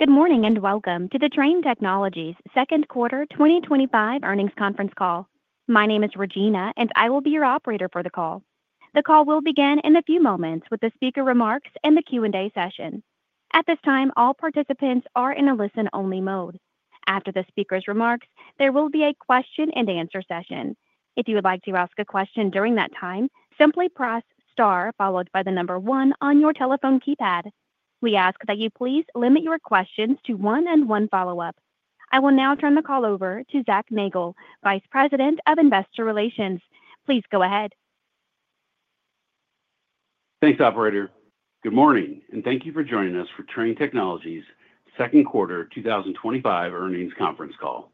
Good morning and welcome to the Trane Technologies second quarter 2025 earnings conference call. My name is Regina and I will be your operator for the call. The call will begin in a few moments with the speaker remarks and the Q&A session. At this time all participants are in a listen only mode. After the speaker's remarks there will be a question and answer session. If you would like to ask a question during that time, simply press star followed by the number one on your telephone keypad. We ask that you please limit your questions to one and one follow up. I will now turn the call over to Zac Nagle, Vice President of Investor Relations. Please go ahead. Thanks, Operator. Good morning and thank you for joining us for Trane Technologies second quarter 2025 earnings conference call.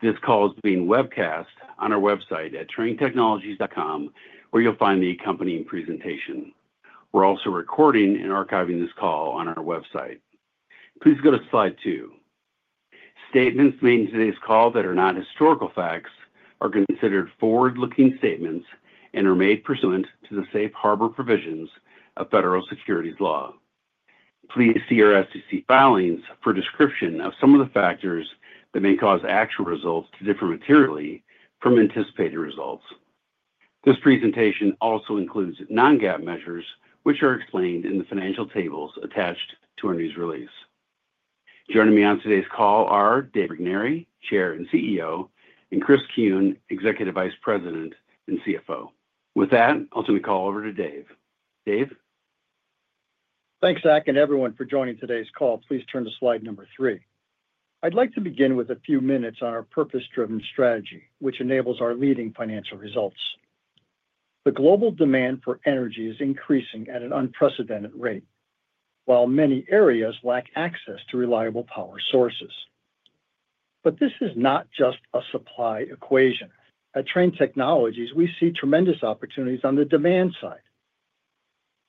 This call is being webcast on our website at tranetechnologies.com where you'll find the accompanying presentation. We're also recording and archiving this call on our website. Please go to Slide 2. Statements made in today's call that are not historical facts are considered forward-looking statements and are made pursuant to the safe harbor provisions of federal securities law. Please see our SEC filings for a description of some of the factors that. May cause actual results to differ materially from anticipated results. This presentation also includes non-GAAP measures which are explained in the financial tables attached to our news release. Joining me on today's call are Dave Regnery, Chair and CEO, and Chris Kuehn, Executive Vice President and CFO. With that, I'll turn the call over to Dave. Dave. Thanks Zac and everyone for joining today's call. Please turn to slide number three. I'd like to begin with a few minutes on our purpose-driven strategy which enables our leading financial results. The global demand for energy is increasing at an unprecedented rate while many areas lack access to reliable power sources. This is not just a supply equation. At Trane Technologies, we see tremendous opportunities on the demand side.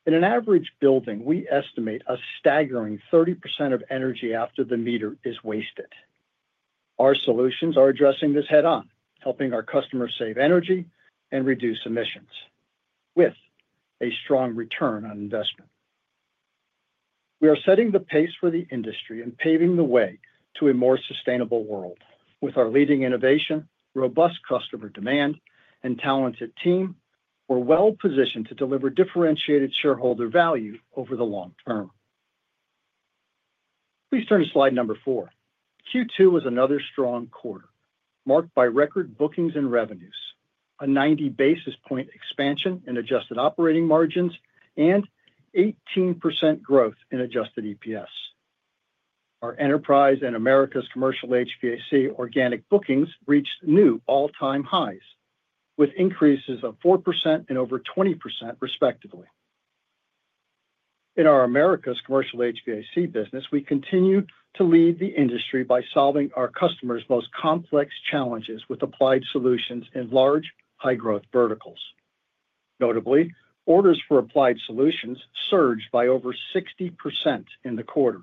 In an average building, we estimate a staggering 30% of energy after the meter is wasted. Our solutions are addressing this head on, helping our customers save energy and reduce emissions with a strong return on investment. We are setting the pace for the industry and paving the way to a more sustainable world. With our leading innovation, robust customer demand, and talented team, we're well positioned to deliver differentiated shareholder value over the long term. Please turn to slide number four. Q2 was another strong quarter marked by record bookings and revenues, a 90 basis point expansion in adjusted operating margins, and 18% growth in Adjusted EPS. Our Enterprise and Americas Commercial HVAC organic bookings reached new all-time highs with increases of 4% and over 20% respectively. In our Americas Commercial HVAC business, we continue to lead the industry by solving our customers' most complex challenges with applied solutions in large high-growth verticals. Notably, orders for applied solutions surged by over 60% in the quarter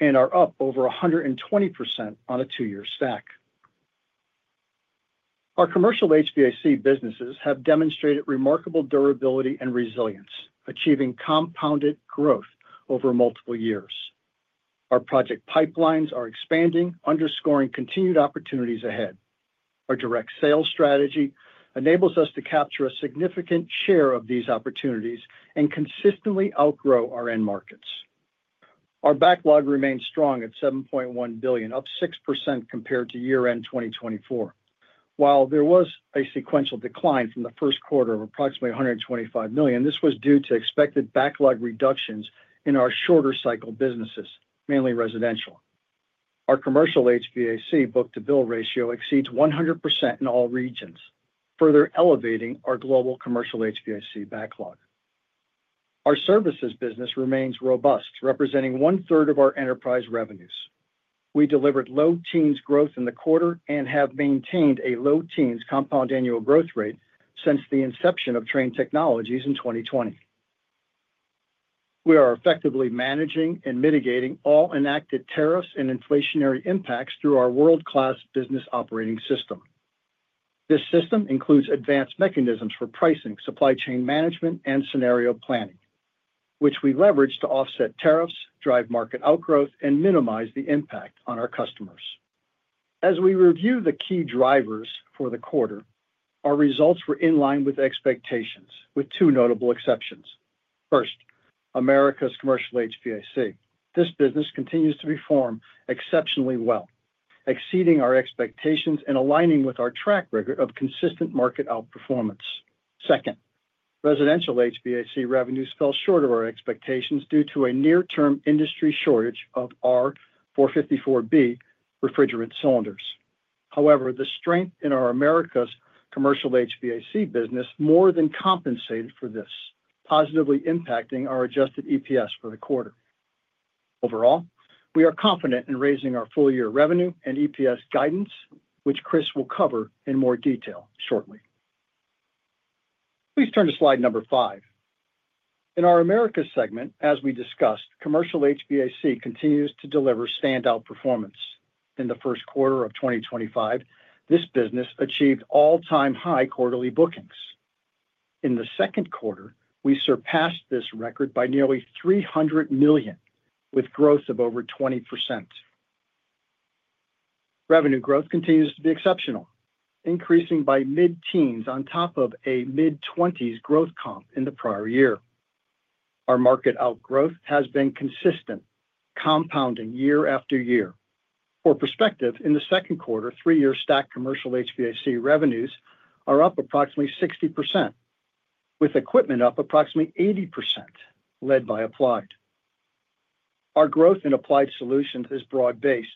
and are up over 120% on a two-year stack. Our Commercial HVAC businesses have demonstrated remarkable durability and resilience in achieving compounded growth over multiple years. Our project pipelines are expanding, underscoring continued opportunities ahead. Our direct sales strategy enables us to capture a significant share of these opportunities and consistently outgrow our end markets. Our backlog remains strong at $7.1 billion, up 6% compared to year-end 2024, while there was a sequential decline from the first quarter of approximately $125 million. This was due to expected backlog reduction in our shorter cycle businesses, mainly residential. Our commercial HVAC book-to-bill ratio exceeds 100% in all regions, further elevating our global commercial HVAC backlog. Our services business remains robust, representing one third of our enterprise revenues. We delivered low-teens growth in the quarter and have maintained a low-teens compound annual growth rate since the inception of Trane Technologies in 2020. We are effectively managing and mitigating all enacted tariffs and inflationary impacts through our world-class Business Operating System. This system includes advanced mechanisms for pricing, supply chain management, and scenario planning which we leverage to offset tariffs, drive market outgrowth, and minimize the impact on our customers. As we review the key drivers for the quarter, our results were in line with expectations with two notable exceptions. First, Americas Commercial HVAC. This business continues to perform exceptionally well, exceeding our expectations and aligning with our track record of consistent market outperformance. Second, Residential HVAC revenues fell short of our expectations due to a near-term industry shortage of R-454B refrigerant cylinders. However, the strength in our Americas Commercial HVAC business more than compensated for this, positively impacting our Adjusted EPS for the quarter. Overall, we are confident in raising our full year revenue and EPS guidance, which Chris will cover in more detail shortly. Please turn to slide number five in our Americas segment. As we discussed, commercial HVAC continues to deliver standout performance. In the first quarter of 2025, this business achieved all-time high quarterly bookings. In the second quarter, we surpassed this record by nearly $300 million with growth of over 20%. Revenue growth continues to be exceptional, increasing by mid teens on top of a mid twenties growth comp. In the prior year, our market outgrowth has been consistent, compounding year after year. For perspective, in the second quarter, three-year stacked commercial HVAC revenues are up approximately 60% with equipment up approximately 80%, led by applied. Our growth in applied solutions is broad-based,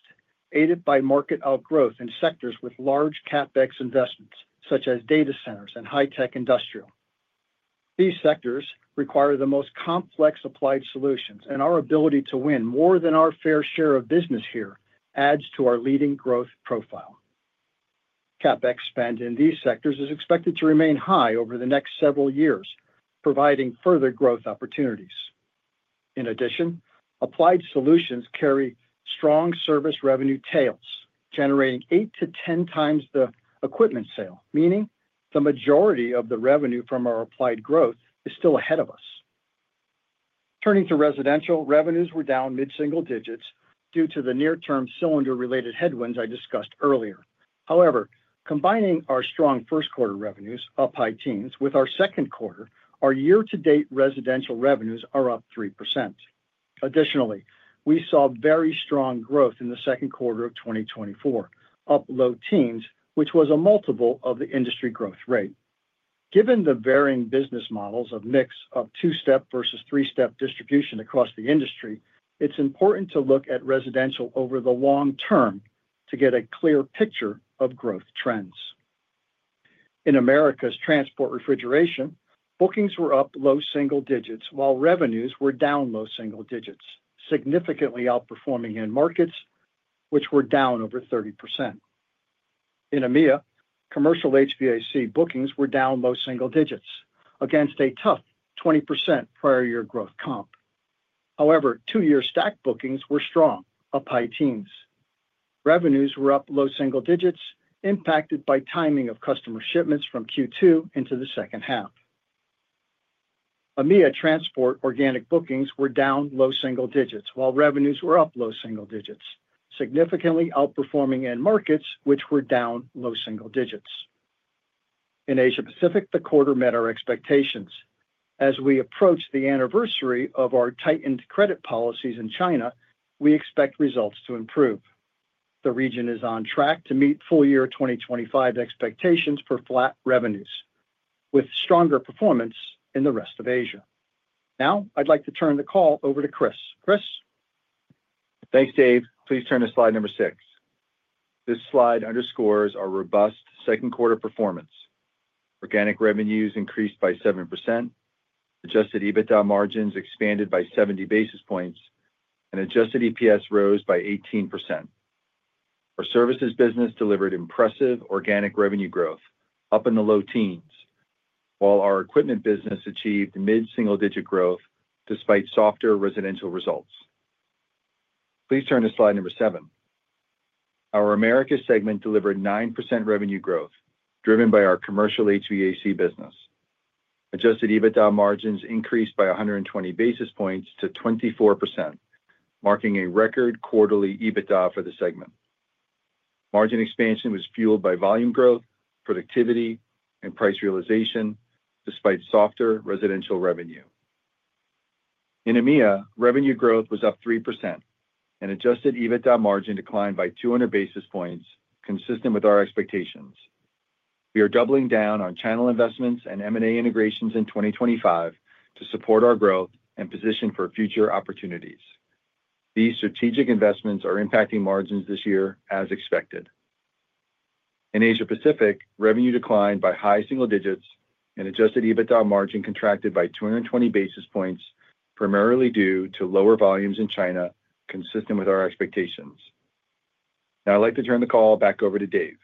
aided by market outgrowth in sectors with large CapEx investments such as data centers and high-tech industrial. These sectors require the most complex applied solutions, and our ability to win more than our fair share of business here adds to our leading growth profile. CapEx spend in these sectors is expected to remain high over the next several years, providing further growth opportunities. In addition, applied solutions carry strong service revenue tails generating 8-10 times the equipment sale, meaning the majority of the revenue from our applied growth is still ahead of us. Turning to residential, revenues were down mid single digits due to the near term cylinder related headwinds I discussed earlier. However, combining our strong first quarter revenues up high teens with our second quarter, our year to date residential revenues are up 3%. Additionally, we saw very strong growth in the second quarter of 2024, up low-teens, which was a multiple of the industry growth rate. Given the varying business models of mix of two-step versus three-step distribution across the industry, it's important to look at residential over the long term to get a clear picture of growth trends. In Americas, Transport refrigeration bookings were up low single digits while revenues were down low single digits, significantly outperforming end markets which were down over 30%. In EMEA, commercial HVAC bookings were down low single digits against a tough 20% prior year growth comp. However, two-year stack bookings were strong, up high teens, revenues were up low single digits impacted by timing of customer shipments from Q2 into the second half. EMEA transport organic bookings were down low single digits while revenues were up low single digits, significantly outperforming end markets which were down low single digits in Asia Pacific. The quarter met our expectations. As we approach the anniversary of our tightened credit policies in China, we expect results to improve. The region is on track to meet full year 2025 expectations for flat revenues with stronger performance in the rest of Asia. Now I'd like to turn the call over to Chris. Chris. Thanks Dave. Please turn to slide number 6. This slide underscores our robust second quarter performance. Organic revenues increased by 7%, Adjusted EBITDA margins expanded by 70 basis points, and Adjusted EPS rose by 18%. Our services business delivered impressive organic revenue growth up in the low-teens, while our equipment business achieved mid single digit growth despite softer residential results. Please turn to slide number seven. Our Americas segment delivered 9% revenue growth driven by our Commercial HVAC business. Adjusted EBITDA margins increased by 120 basis points to 24%, marking a record quarterly EBITDA for the segment. Margin expansion was fueled by volume growth, productivity, and price realization. Despite softer residential revenue in EMEA, revenue growth was up 3%, and Adjusted EBITDA margin declined by 200 basis points. Consistent with our expectations, we are doubling down on channel investments and M&A integrations in 2025 to support our growth and position for future opportunities. These strategic investments are impacting margins this year as expected. In Asia Pacific, revenue declined by high single digits, and Adjusted EBITDA margin contracted by 220 basis points, primarily due to lower volumes in China, consistent with our expectations. Now I'd like to turn the call back over to Dave.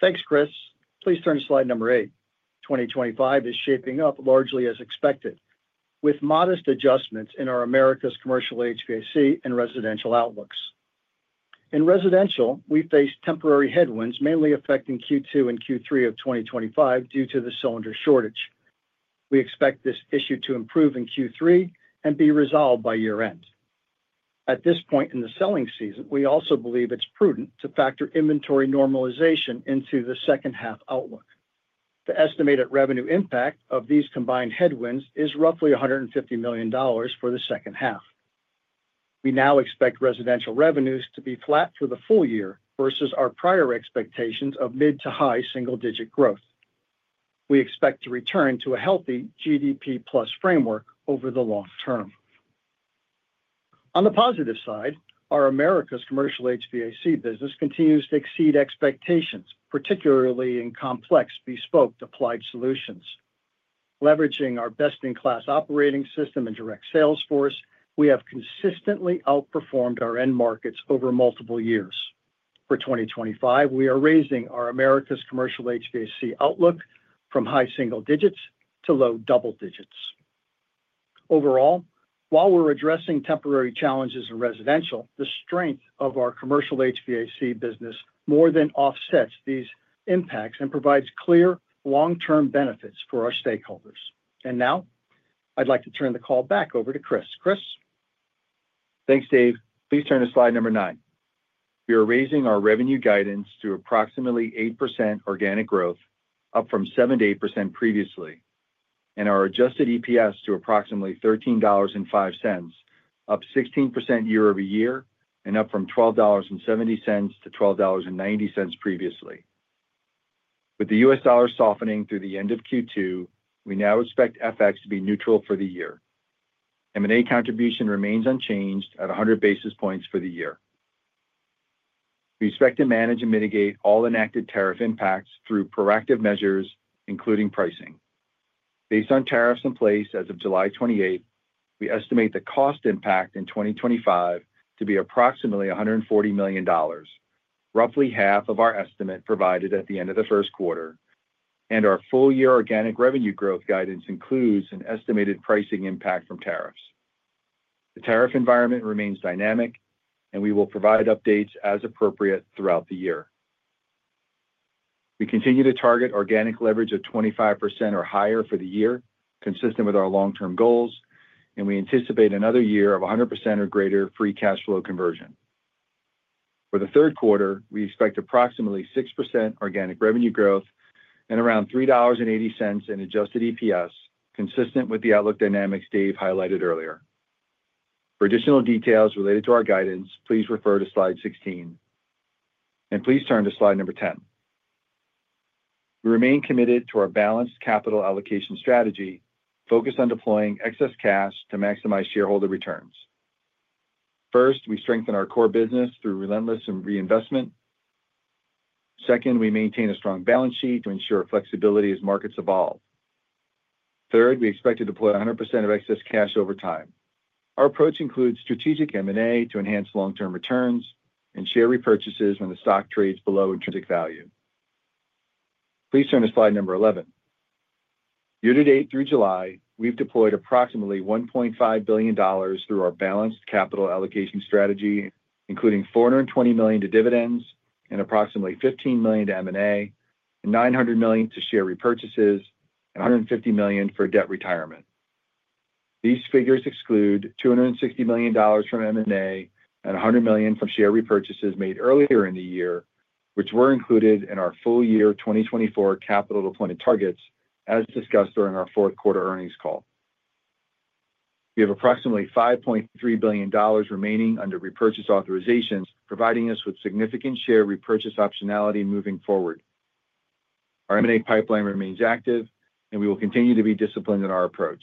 Thanks Chris. Please turn to slide number 8. 2025 is shaping up largely as expected with modest adjustments in our Americas Commercial HVAC and residential outlooks. In residential, we faced temporary headwinds mainly affecting Q2 and Q3 of 2025 due to the cylinder shortage. We expect this issue to improve in Q3 and be resolved by year end. At this point in the selling season, we also believe it's prudent to factor inventory normalization into the second half outlook. The estimated revenue impact of these combined headwinds is roughly $150 million for the second half. We now expect residential revenues to be flat for the full year versus our prior expectations of mid to high single digit growth. We expect to return to a healthy GDP plus framework over the long term. On the positive side, our Americas Commercial HVAC business continues to exceed expectations, particularly in complex bespoke applied solutions. Leveraging our best in class operating system and direct sales force, we have consistently outperformed our end markets over multiple years. For 2025 we are raising our Americas Commercial HVAC outlook from high single digits to low double digits. Overall, while we're addressing temporary challenges in residential, the strength of our commercial HVAC business more than offsets these impacts and provides clear long term benefits for our stakeholders. I'd like to turn the call back over to Chris. Thanks Dave. Please turn to slide number 9. We are raising our revenue guidance to approximately 8% organic growth, up from 7%-8% previously, and our Adjusted EPS to approximately $13.05, up 16% year-over-year and up from $12.70-$12.90 previously. With the U.S. dollar softening through the end of Q2, we now expect FX to be neutral for the year. M&A contribution remains unchanged at 100 basis points for the year. We expect to manage and mitigate all enacted tariff impacts through proactive measures including pricing based on tariffs in place as of July 28. We estimate the cost impact in 2025 to be approximately $140 million, roughly half of our estimate provided at the end of the first quarter, and our full year organic revenue growth guidance includes an estimated pricing impact from tariffs. The tariff environment remains dynamic and we will provide updates as appropriate throughout the year. We continue to target organic leverage of 25% or higher for the year, consistent with our long term goals, and we anticipate another year of 100% or greater free cash flow conversion. For the third quarter, we expect approximately 6% organic revenue growth and around $3.80 in Adjusted EPS, consistent with the outlook dynamics Dave highlighted earlier. For additional details related to our guidance, please refer to Slide 16, and please turn to slide number 10. We remain committed to our Balanced Capital Allocation Strategy focused on deploying excess cash to maximize shareholder returns. First, we strengthen our core business through relentless reinvestment. Second, we maintain a strong balance sheet to ensure flexibility as markets evolve. Third, we expect to deploy 100% of excess cash over time. Our approach includes strategic M&A to enhance long term returns and share repurchases when the stock trades below intrinsic value. Please turn to slide number 11. Year to date through July, we've deployed approximately $1.5 billion through our balanced capital allocation strategy, including $420 million to dividends and approximately $15 million to M&A, $900 million to share repurchases, and $150 million for debt retirement. These figures exclude $260 million from M&A and $100 million from share repurchases made earlier in the year, which were included in our full year 2024 capital deployment targets. As discussed during our fourth quarter earnings call, we have approximately $5.3 billion remaining under repurchase authorizations, providing us with significant share repurchase optionality moving forward. Our M&A pipeline remains active and we will continue to be disciplined in our approach.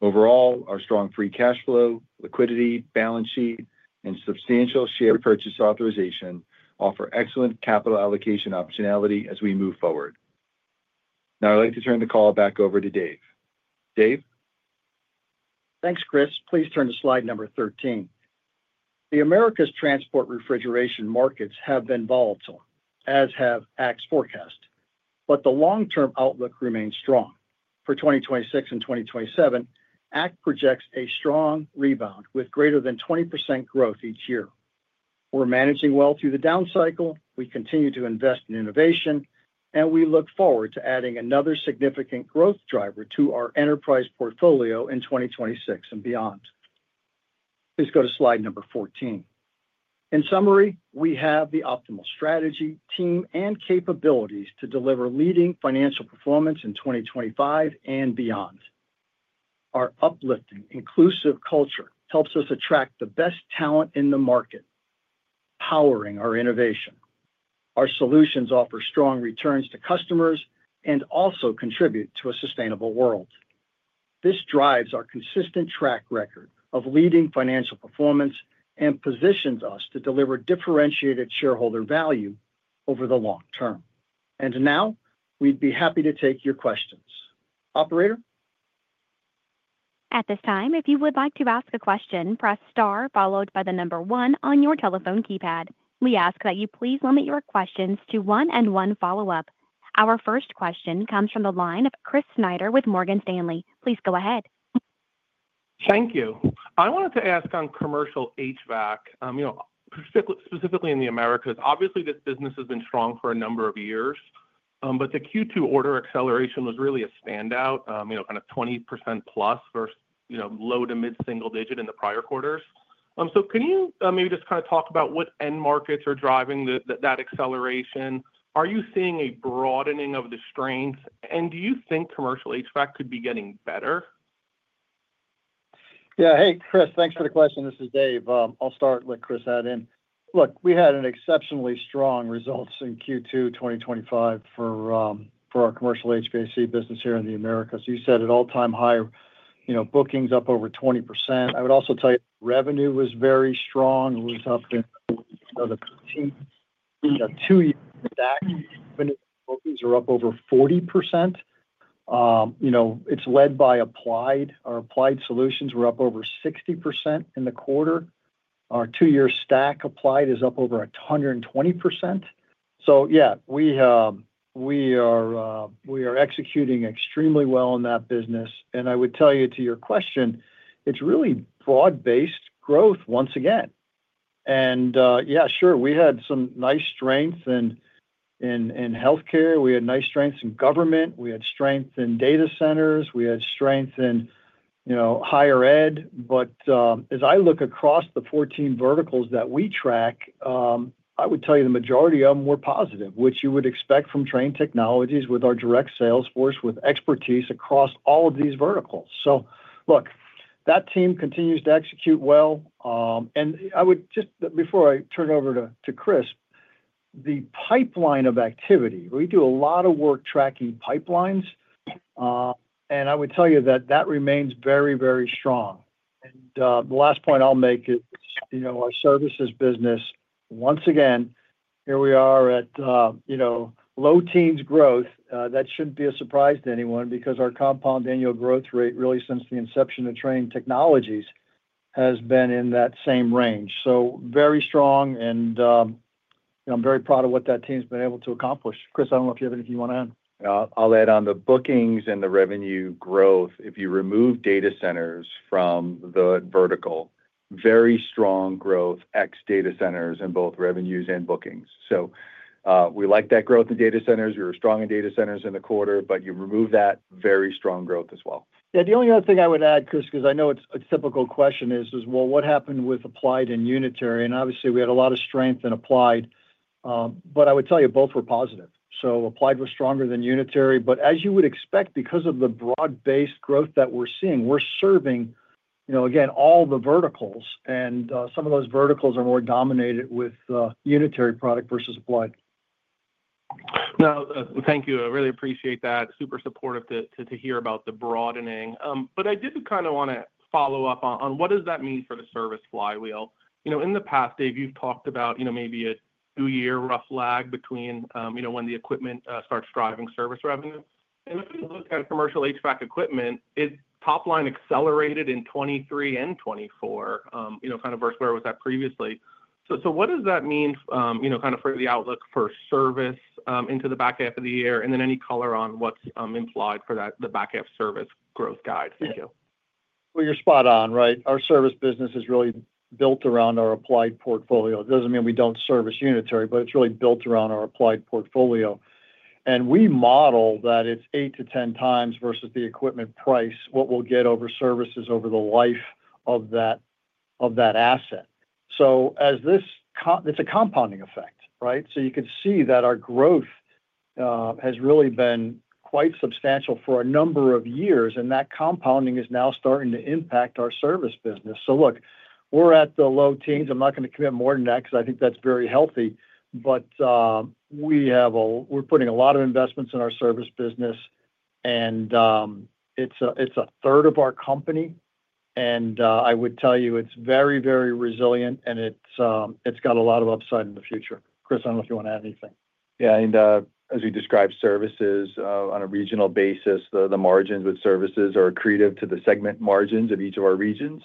Overall, our strong free cash flow, liquidity, balance sheet, and substantial share repurchase authorization offer excellent capital allocation optionality as we move forward. Now I'd like to turn the call back over to Dave. Thanks Chris. Please turn to slide number 13. The Americas transport refrigeration markets have been volatile as have ACT's forecast, but the long term outlook remains strong for 2026 and 2027, ACT projects a strong rebound with greater than 20% growth each year. We're managing well through the down cycle. We continue to invest in innovation and we look forward to adding another significant growth driver to our enterprise portfolio in 2026 and beyond. Please go to slide number 14. In summary, we have the optimal strategy, team and capabilities to deliver leading financial performance in 2025 and beyond. Our uplifting inclusive culture helps us attract the best talent in the market, powering our innovation. Our solutions offer strong returns to customers and also contribute to a sustainable world. This drives our consistent track record of leading financial performance and positions us to deliver differentiated shareholder value over the long term. Now we'd be happy to take your questions. Operator. At this time, if you would like to ask a question, press star followed by the number one on your telephone keypad. We ask that you please limit your questions to one and one follow up. Our first question comes from the line of Chris Snyder with Morgan Stanley. Please go ahead. Thank you. I wanted to ask on commercial HVAC specifically in the Americas, obviously this business has been strong for a number of years, but the Q2 order acceleration was really a standout, kind of 20%+ versus low to mid single digit in the prior quarters. So can you maybe just kind of talk about what end markets are driving that acceleration? Are you seeing a broadening of the strength and do you think commercial HVAC could be getting better? Yeah. Hey Chris, thanks for the question. This is Dave. I'll start. Let Chris add in. Look, we had exceptionally strong results in Q2 2025 for our commercial HVAC business here in the Americas. You said at all time high, you know, bookings up over 20%. I would also tell you revenue was very strong. It was up in two. Stackings are up over 40%. You know it's led by Applied. Our applied solutions were up over 60% in the quarter. Our two-year stack applied is up over 120%. So yeah, we, we are, we are executing extremely well in that business. And I would tell you to your question, it's really broad based growth once again. And yeah sure we had some nice strength in healthcare, we had nice strengths in government, we had strength in data centers, we had strength in higher ed. As I look across the 14 verticals that we track, I would tell you the majority of them were positive, which you would expect from Trane Technologies with our direct sales force with expertise across all of these verticals. That team continues to execute well. I would just before I turn over to Chris, the pipeline of activity. We do a lot of work tracking pipelines and I would tell you that that remains very, very strong. The last point I'll make is, you know, our services business once again, here we are at, you know, low-teens growth. That shouldn't be a surprise to anyone because our compound annual growth rate really since the inception of Trane Technologies has been in that same range. Very strong. I'm very proud of what that team's been able to accomplish. Chris, I don't know if you have anything you want to add. I'll add on the bookings and the revenue growth if you remove data centers from the vertical. Very strong growth ex data centers in both revenues and bookings. We like that growth in data centers. We were strong in data centers in the quarter, but you remove that very strong growth as well. Yeah. The only other thing I would add, Chris, because I know it's a typical question, is, well, what happened with applied and Unitary? Obviously we had a lot of strength in applied, but I would tell you both were positive. Applied was stronger than Unitary. As you would expect, because of the broad based growth that we're seeing, we're serving again, all the verticals, and some of those verticals are more dominated with the Unitary product versus applied. No, thank you. No, thank you. I really appreciate that. Super supportive to hear about the broadening. I did kind of want to follow up on what does that mean for the service flywheel? You know, in the past, Dave, you've talked about, you know, maybe a two year rough lag between, you know, when the equipment starts driving service revenue. If we look at commercial HVAC equipment, is top line accelerated in 2023 and 2024, you know, kind of versus where was that previously? What does that mean, you know, kind of for the outlook for service into the back half of the year and then any color on what's implied. For that, the back half service growth guide. Thank you. You're spot on. Right. Our service business is really built around our applied portfolio. It doesn't mean we don't service unitary, but it's really built around our applied portfolio. We model that it's 8-10 times versus the equipment price what we'll get over services over the life of that asset. As this, it's a compounding effect. Right. You can see that our growth has really been quite substantial for a number of years and that compounding is now starting to impact our service business. Look, we're at the low-teens. I'm not going to commit more than that because I think that's very healthy. We are putting a lot of investments in our service business and it's a third of our company. I would tell you it's very, very resilient and it's got a lot of upside in the future. Chris, I don't know if you want to add anything. Yeah. As we described services on a regional basis, the margins with services are accretive to the segment margins of each of our regions.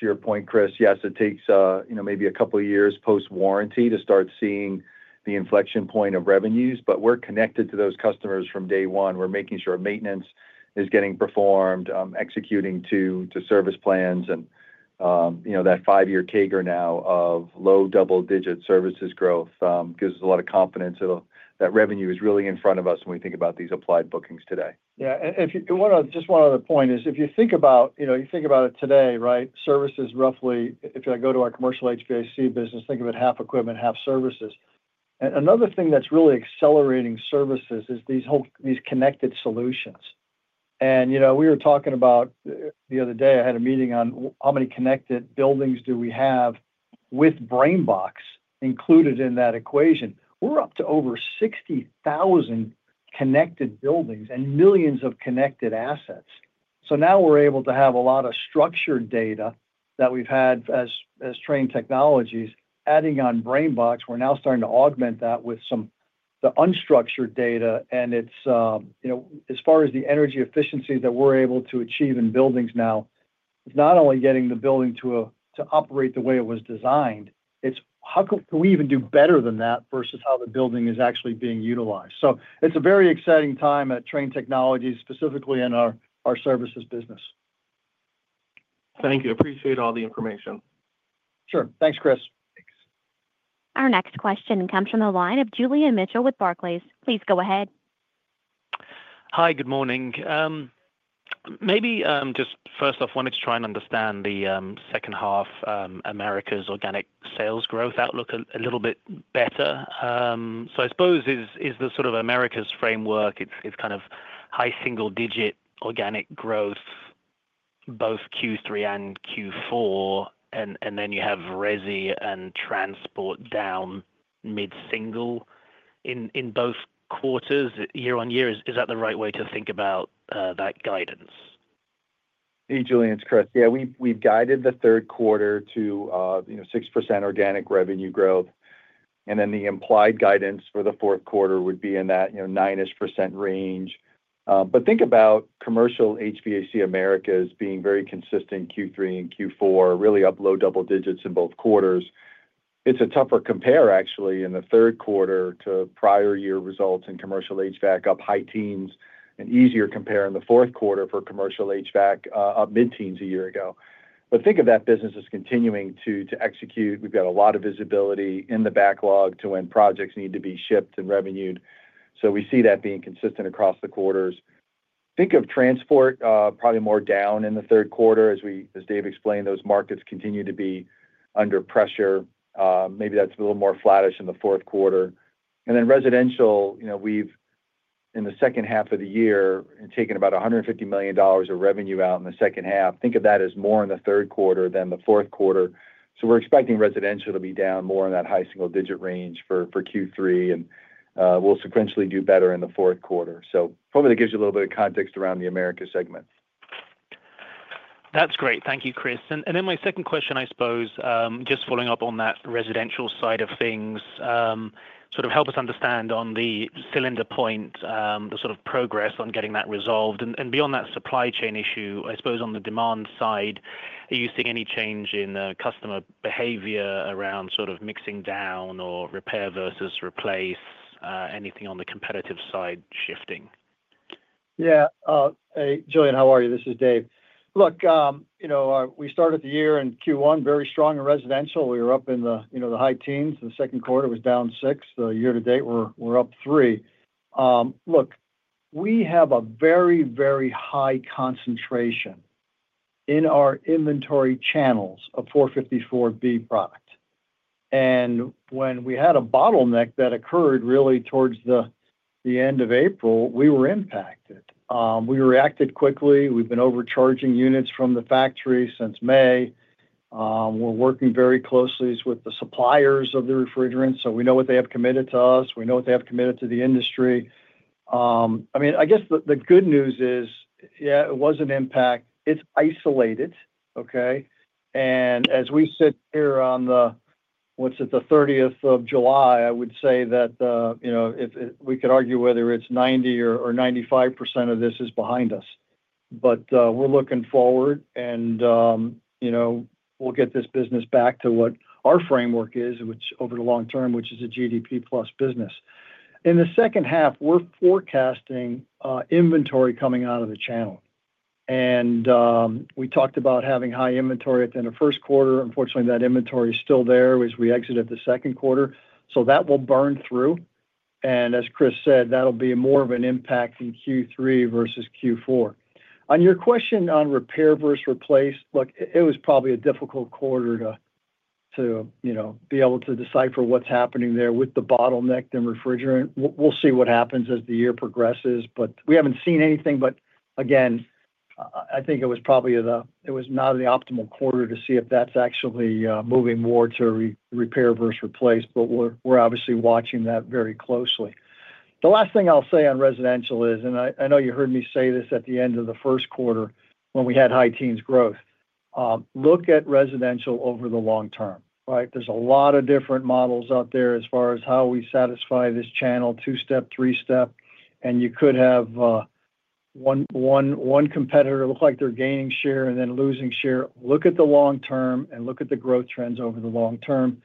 To your point, Chris, yes, it takes maybe a couple of years post warranty to start seeing the inflection point of revenues. We are connected to those customers from day one. We are making sure maintenance is getting performed, executing to service plans. You know, that five year CAGR now of low double digit services growth gives us a lot of confidence that revenue is really in front of us when we think about these applied bookings today. Yeah. Just one other point is if you think about, you know, you think about it today, right? Services, roughly. If I go to our commercial HVAC business, think of it, half equipment, half services. Another thing that's really accelerating services is these whole, these connected solutions. And you know, we were talking about the other day I had a meeting on how many connected buildings do we have? With BrainBox included in that equation, we're up to over 60,000 connected buildings and millions of connected assets. So now we're able to have a lot of structured data that we've had as Trane Technologies. Adding on BrainBox, we're now starting to augment that with some of the unstructured data and it's, you know, as far as the energy efficiency that we're able to achieve in buildings now, it's not only getting the building to operate the way it was designed, it's how can we even do better than that versus how the building is actually being utilized. It is a very exciting time at Trane Technologies specifically in our services business. Thank you. Appreciate all the information. Sure. Thanks Chris. Our next question comes from the line of Julian Mitchell with Barclays. Please go ahead. Hi, good morning. Maybe just first off wanted to try and understand the second half Americas organic sales growth outlook a little bit better. I suppose is the sort of Americas framework, it's kind of high single digit organic growth, both Q3 and Q4, and then you have Resi and transport down mid single in both quarters year on year. Is that the right way to think about that guidance? Hey Julian, it's Chris. Yeah, we've guided the third quarter to 6% organic revenue growth. And then the implied guidance for the fourth quarter would be in that 9% range. But think about Commercial HVAC Americas being very consistent. Q3 and Q4 really up low double digits in both quarters. It's a tougher compare actually in the third quarter to prior year results in Commercial HVAC up high teens and easier compare in the fourth quarter for Commercial HVAC up mid teens a year ago. But think of that business as continuing to execute. We've got a lot of visibility in the backlog to when projects need to be shipped and revenued. So we see that being consistent across the quarters. Think of Transport, probably more down in the third quarter. As we, as Dave explained, those markets continue to be under pressure. Maybe that's a little more flattish in the fourth quarter. And then Residential, you know, we've in the second half of the year taken about $150 million of revenue out in the second half. Think of that as more in the third quarter than the fourth quarter. So we're expecting Residential to be down more in that high single digit range for Q3 and we'll sequentially do better in the fourth quarter. So hopefully that gives you a little bit of context around the Americas segment. That's great. Thank you, Chris. Then my second question, I suppose just following up on that residential side of things, sort of help us understand on the cylinder point the sort of progress on getting that resolved. Beyond that supply chain issue, I suppose on the demand side, are you seeing any change in customer behavior around sort of mixing down or repair versus replace? Anything on the competitive side shifting? Yeah. Hey Julian, how are you? This is Dave. Look, you know, we started the year in Q1 very strong and residential, we were up in the, you know, the high teens. The second quarter was down 6% year to date. We're up 3%. Look, we have a very, very high concentration in our inventory channels of 454B product. When we had a bottleneck that occurred really towards the end of April, we were impacted. We reacted quickly. We've been overcharging units from the factory since May. We're working very closely with the suppliers of the refrigerant. We know what they have committed to us, we know what they have committed to the industry. I mean, I guess the good news is, yeah, it was an impact. It's isolated. Okay. As we sit here on the, what's it, the 30th of July? I would say that, you know, if we could argue whether it's 90% or 95% of this is behind us. We're looking forward and, you know, we'll get this business back to what our framework is, which over the long term, which is a GDP plus business. In the second half, we're forecasting inventory coming out of the channel and we talked about having high inventory at the end of first quarter. Unfortunately, that inventory is still there as we exited the second quarter. That will burn through and as Chris said, that'll be more of an impact in Q3 versus Q4. On your question on repair versus replace, look, it was probably a difficult quarter to be able to decipher what's happening there with the bottleneck and refrigerant. We'll see what happens as the year progresses, but we haven't seen anything. Again, I think it was probably, it was not the optimal quarter to see if that's actually moving more to repair versus replace. We're obviously watching that very closely. The last thing I'll say on residential is, and I know you heard me say this at the end of the first quarter when we had high teens growth, look at residential over the long term. Right. There's a lot of different models out there as far as how we satisfy this channel, two-step, three-step. You could have one competitor look like they're gaining share and then losing share. Look at the long term and look at the growth trends over the long term.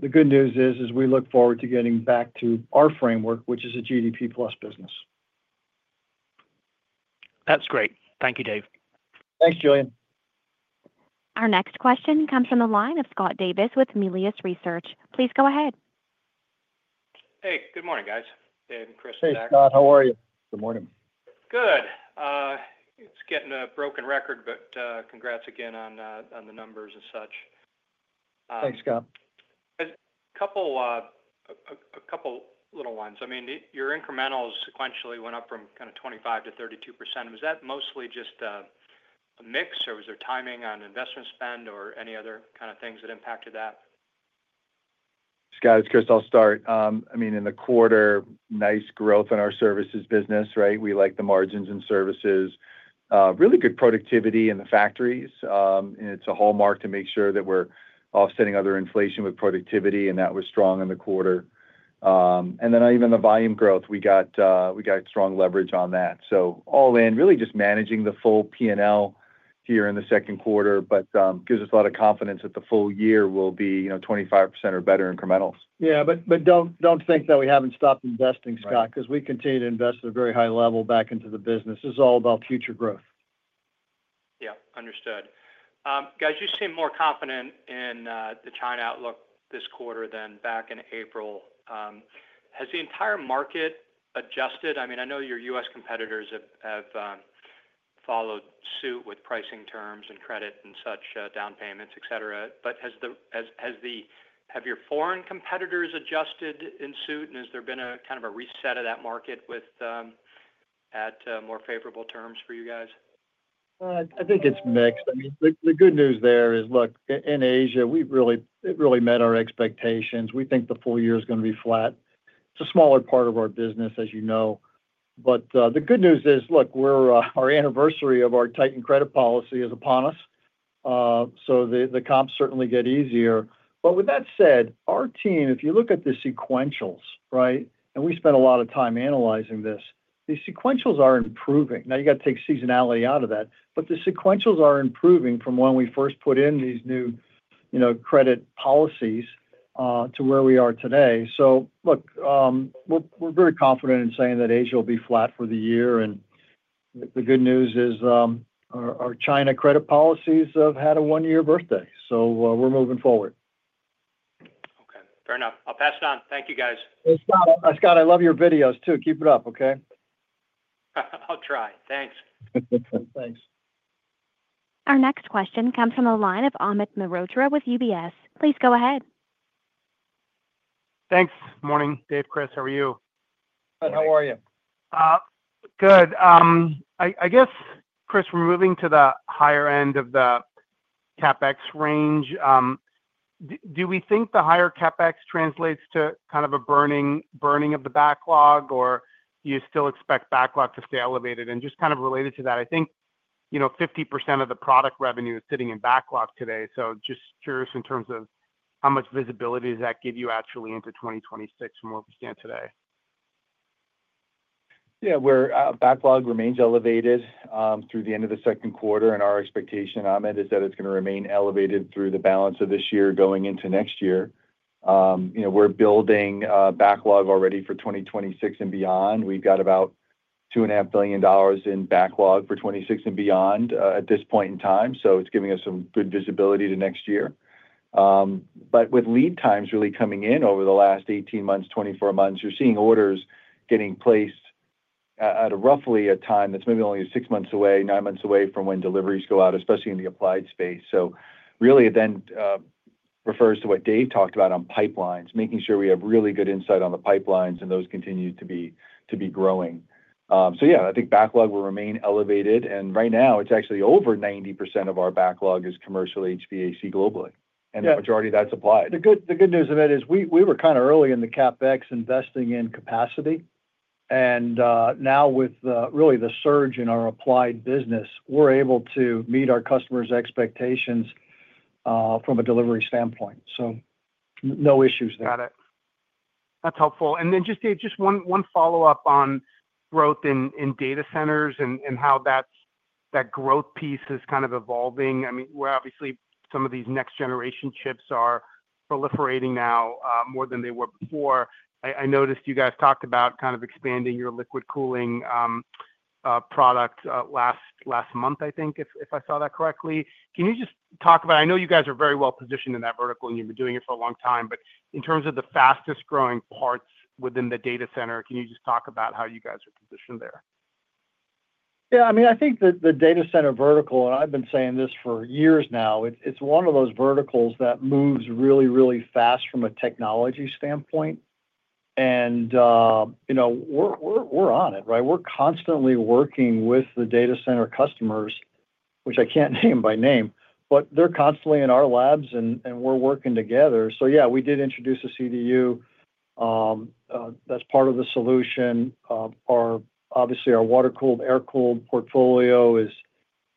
The good news is we look forward to getting back to our framework, which is a GDP plus business. That's great. Thank you, Dave. Thanks, Julian. Our next question comes from the line of Scott Davis with Melius Research. Please go ahead. Hey, good morning, guys. Dave and Chris. Hey, Scott, how are you? Good morning. Good. It's getting a broken record, but congratulations. Congrats again on the numbers and such. A couple little ones. I mean, your incrementals sequentially went up from kind of 25%-32%. Was that mostly just a mix or was there timing on investment, spend or any other kind of things that impacted that? Scott, it's Chris. I'll start. I mean, in the quarter, nice growth in our services business. Right. We like the margins in services, really good productivity in the factories. It is a hallmark to make sure that we are offsetting other inflation with productivity. That was strong in the quarter. Even the volume growth, we got strong leverage on that. All in, really just managing the full P&L here in the second quarter, but gives us a lot of confidence that the full year will be 25% or better. Incrementals. Yeah, but don't think that we haven't stopped investing, Scott, because we continue to invest at a very high level back into the business. It's all about future growth. Yeah, understood. Guys, you seem more confident in the China outlook this quarter than back in April. Has the entire market adjusted? I mean, I know your U.S. competitors have followed suit with pricing terms and credit and such, down payments, et cetera, but have your foreign competitors adjusted in suit and has there been a kind of a reset of that market with at more favorable terms for you guys? I think it's mixed. The good news there is, look, in Asia we really, it really met our expectations. We think the full year is going to be flat. It's a smaller part of our business, as you know. The good news is, look, our anniversary of our tightened credit policy is upon us. The comps certainly get easier. With that said, our team, if you look at the sequentials, right, and we spent a lot of time analyzing this, the sequentials are improving. Now you got to take seasonality out of that, but the sequentials are improving from when we first put in these new credit policies to where we are today. Look, we're very confident in saying that Asia will be flat for the year. The good news is our China credit policies have had a one year birthday. We're moving forward. Okay, fair enough. I'll pass it on. Thank you guys. Scott, I love your videos too. Keep it up. Okay, I'll try. Thanks. Thanks. Our next question comes from the line of Amit Mehrotra with UBS. Please go ahead. Thanks. Morning, Dave. Chris, how are you? Good, I guess. Chris, we're moving to the higher end of the CapEx range. Do we think the higher CapEx translates to kind of a burning of the backlog or do you still expect backlog to stay elevated and just kind of related to that, I think, you know, 50% of the product revenue is sitting in backlog today. Just curious, in terms of how much visibility does that give you actually into 2026 from where we stand today? Yeah, our backlog remains elevated through the end of the second quarter and our expectation, Amit, is that it's going to remain elevated through the balance of this year going into next year. You know, we're building backlog already for 2026 and beyond. We've got about $2.5 billion in backlog for 2026 and beyond at this point in time. It's giving us some good visibility to next year. With lead times really coming in over the last 18 months, 24 months, you're seeing orders getting placed at roughly a time that's maybe only six months away, nine months away from when deliveries go out, especially in the applied space. That really then refers to what Dave talked about on pipelines, making sure we have really good insight on the pipelines and those continue to be growing. Yeah, I think backlog will remain elevated. Right now it's actually over 90% of our backlog is commercial HVAC globally and the majority of that is applied. The good news of it is we were kind of early in the CapEx investing in capacity and now with really the surge in our applied business, we're able to meet our customers' expectations from a delivery standpoint. No issues there. Got it. That's helpful. And then just one follow-up on growth in data centers and how that growth piece is kind of evolving. I mean, where obviously some of these next generation chips are proliferating now more than they were before. I noticed you guys talked about kind of expanding your liquid cooling product last month. I think if I saw that correctly. Can you just talk about, I know you guys are very well positioned in that vertical and you've been doing it for a long time, but in terms of the fastest growing parts within the data center, can you just talk about how you guys are positioned there? Yeah, I mean, I think that the data center vertical, and I've been saying this for years now, it's one of those verticals that moves really, really fast from a technology standpoint. And you know, we're on it, right? We're constantly working with the data center customers, which I can't name by name, but they're constantly in our labs and we're working together. Yeah, we did introduce a CDU that's part of the solution. Obviously, our water-cooled, air-cooled portfolio is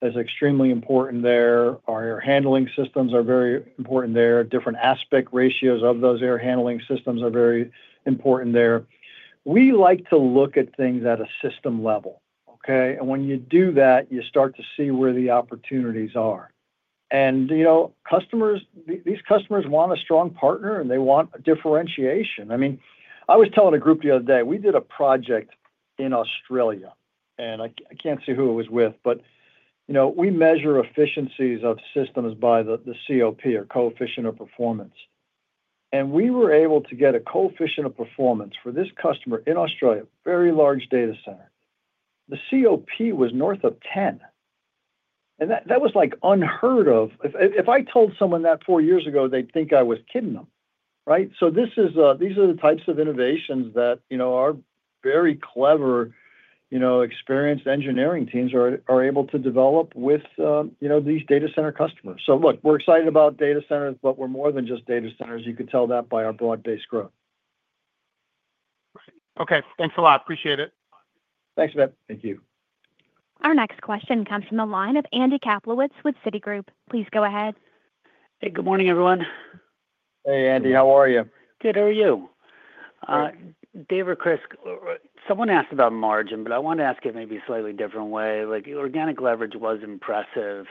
extremely important there. Our air handling systems are very important there. Different aspect ratios of those air handling systems are very important, important there. We like to look at things at a system level. Okay. When you do that, you start to see where the opportunities are and, you know, customers, these customers want a strong partner and they want differentiation. I mean, I was telling a group the other day, we did a project in Australia and I can't say who it was with, but you know, we measure efficiencies of systems by the COP or coefficient of performance. We were able to get a coefficient of performance for this customer in Australia, very large data center, the COP was north of 10. That was like unheard of. If I told someone that four years ago, they'd think I was kidding them, right? These are the types of innovations that very clever, experienced engineering teams are able to develop with these data center customers. Look, we're excited about data centers, but we're more than just data centers. You could tell that by our broad-based growth. Okay, thanks a lot. Appreciate it. Thanks Amit. Our next question comes from the line of Andy Kaplowitz with Citigroup. Please go ahead. Good morning everyone. Hey Andy, how are you? Good, how are you? Dave or Chris? Someone asked about margin, but I want to ask it maybe a slightly different way. Like organic leverage was impressive